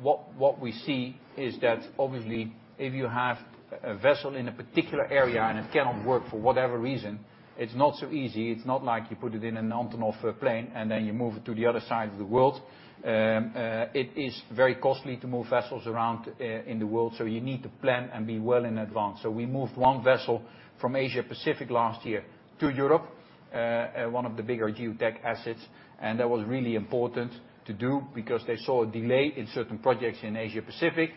What we see is that obviously, if you have a vessel in a particular area and it cannot work for whatever reason, it's not so easy. It's not like you put it in an Antonov plane, and then you move it to the other side of the world. It is very costly to move vessels around in the world, so you need to plan and be well in advance. We moved one vessel from Asia Pacific last year to Europe, one of the bigger geo tech assets, and that was really important to do because they saw a delay in certain projects in Asia Pacific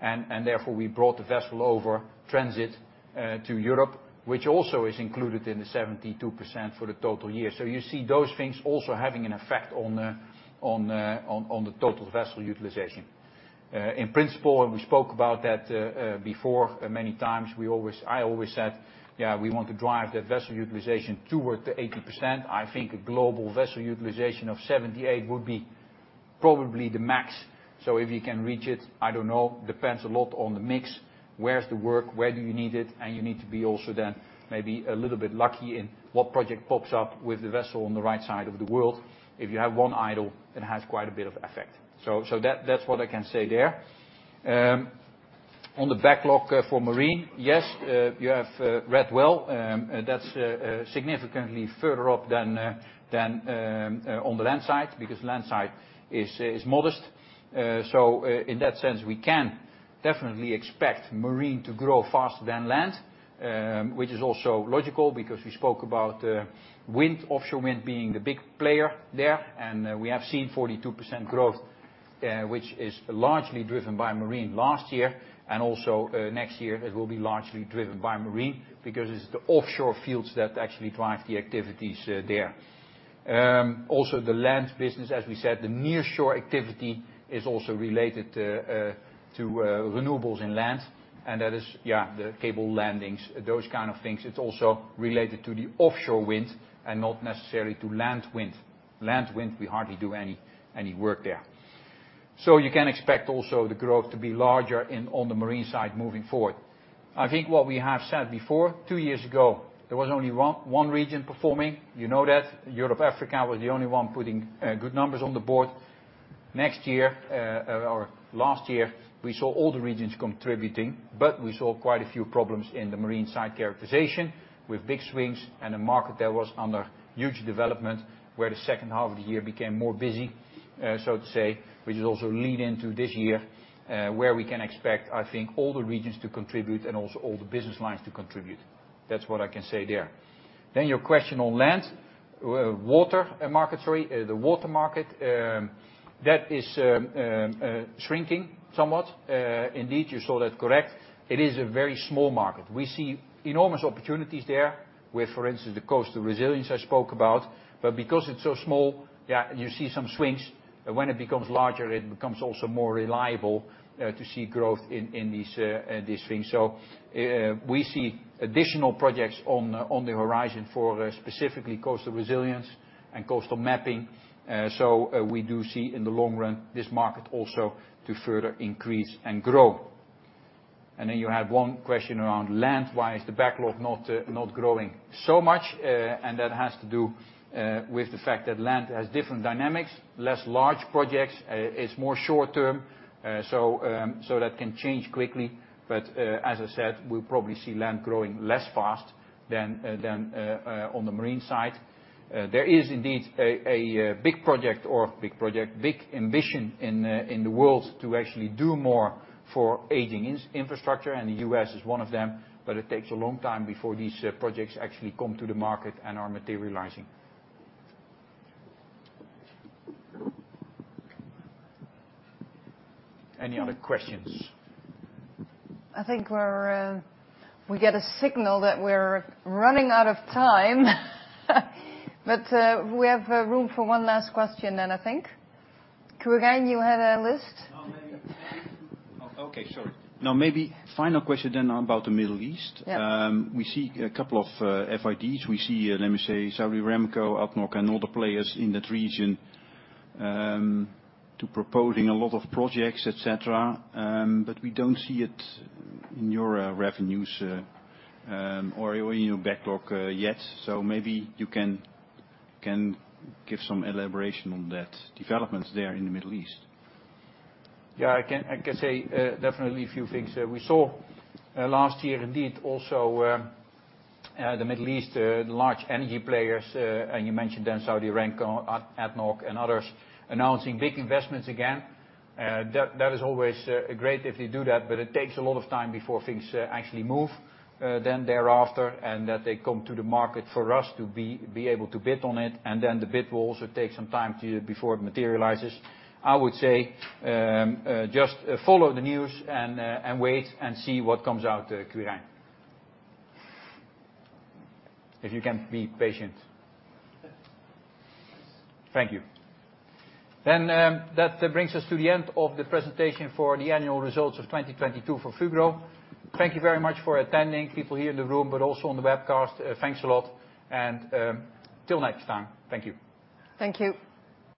and therefore we brought the vessel over transit to Europe, which also is included in the 72% for the total year. You see those things also having an effect on the total vessel utilization. In principle, we spoke about that, before, many times, we always, I always said, "Yeah, we want to drive that vessel utilization towards the 80%." I think a global vessel utilization of 78% would be probably the max. If you can reach it, I don't know. Depends a lot on the mix. Where's the work? Where do you need it? You need to be also then maybe a little bit lucky in what project pops up with the vessel on the right side of the world. If you have one idle, it has quite a bit of effect. That's what I can say there. On the backlog for marine, yes, you have read well, that's significantly further up than on the land side because land side is modest. In that sense, we can definitely expect marine to grow faster than land, which is also logical because we spoke about wind, offshore wind being the big player there. We have seen 42% growth, which is largely driven by marine last year and also next year it will be largely driven by marine because it's the offshore fields that actually drive the activities there. Also the land business, as we said, the nearshore activity is also related to renewables in land, and that is, yeah, the cable landings, those kind of things. It's also related to the offshore wind and not necessarily to land wind. Land wind, we hardly do any work there. You can expect also the growth to be larger on the marine side moving forward. I think what we have said before, two years ago, there was only one region performing, you know that. Europe, Africa, was the only one putting good numbers on the board. Next year, or last year, we saw all the regions contributing. We saw quite a few problems in the marine site characterization with big swings and a market that was under huge development, where the second half of the year became more busy, so to say, which is also lead into this year, where we can expect, I think all the regions to contribute and also all the business lines to contribute. That's what I can say there. Your question on land. Water market, sorry. The water market that is shrinking somewhat. Indeed, you saw that, correct. It is a very small market. We see enormous opportunities there with, for instance, the coastal resilience I spoke about. Because it's so small, yeah, you see some swings. When it becomes larger, it becomes also more reliable to see growth in these things. We see additional projects on the horizon for specifically coastal resilience and coastal mapping. We do see in the long run this market also to further increase and grow. You had one question around land, why is the backlog not growing so much? That has to do with the fact that land has different dynamics, less large projects. It's more short-term, so that can change quickly. As I said, we'll probably see land growing less fast than on the marine side. There is indeed a big project or big ambition in the world to actually do more for aging infrastructure, and the U.S. is one of them, but it takes a long time before these projects actually come to the market and are materializing. Any other questions? I think we're, we get a signal that we're running out of time. We have room for one last question then I think. Quirijn, you had a list? No, maybe. Oh, okay, sorry. Now maybe final question then about the Middle East. Yeah. We see a couple of FIDs. We see, let me say, Saudi Aramco, ADNOC, and all the players in that region, proposing a lot of projects, et cetera. We don't see it in your revenues or in your backlog yet. Maybe you can give some elaboration on that developments there in the Middle East. Yeah, I can say definitely a few things. We saw last year indeed, also, the Middle East, the large energy players, and you mentioned them, Saudi Aramco, ADNOC and others, announcing big investments again. That is always great if they do that, but it takes a lot of time before things actually move thereafter, and that they come to the market for us to be able to bid on it. The bid will also take some time before it materializes. I would say, just follow the news and wait and see what comes out, Quirijn. If you can be patient. Yes. Thank you. That brings us to the end of the presentation for the annual results of 2022 for Fugro. Thank you very much for attending, people here in the room, but also on the webcast. Thanks a lot. Till next time. Thank you. Thank you.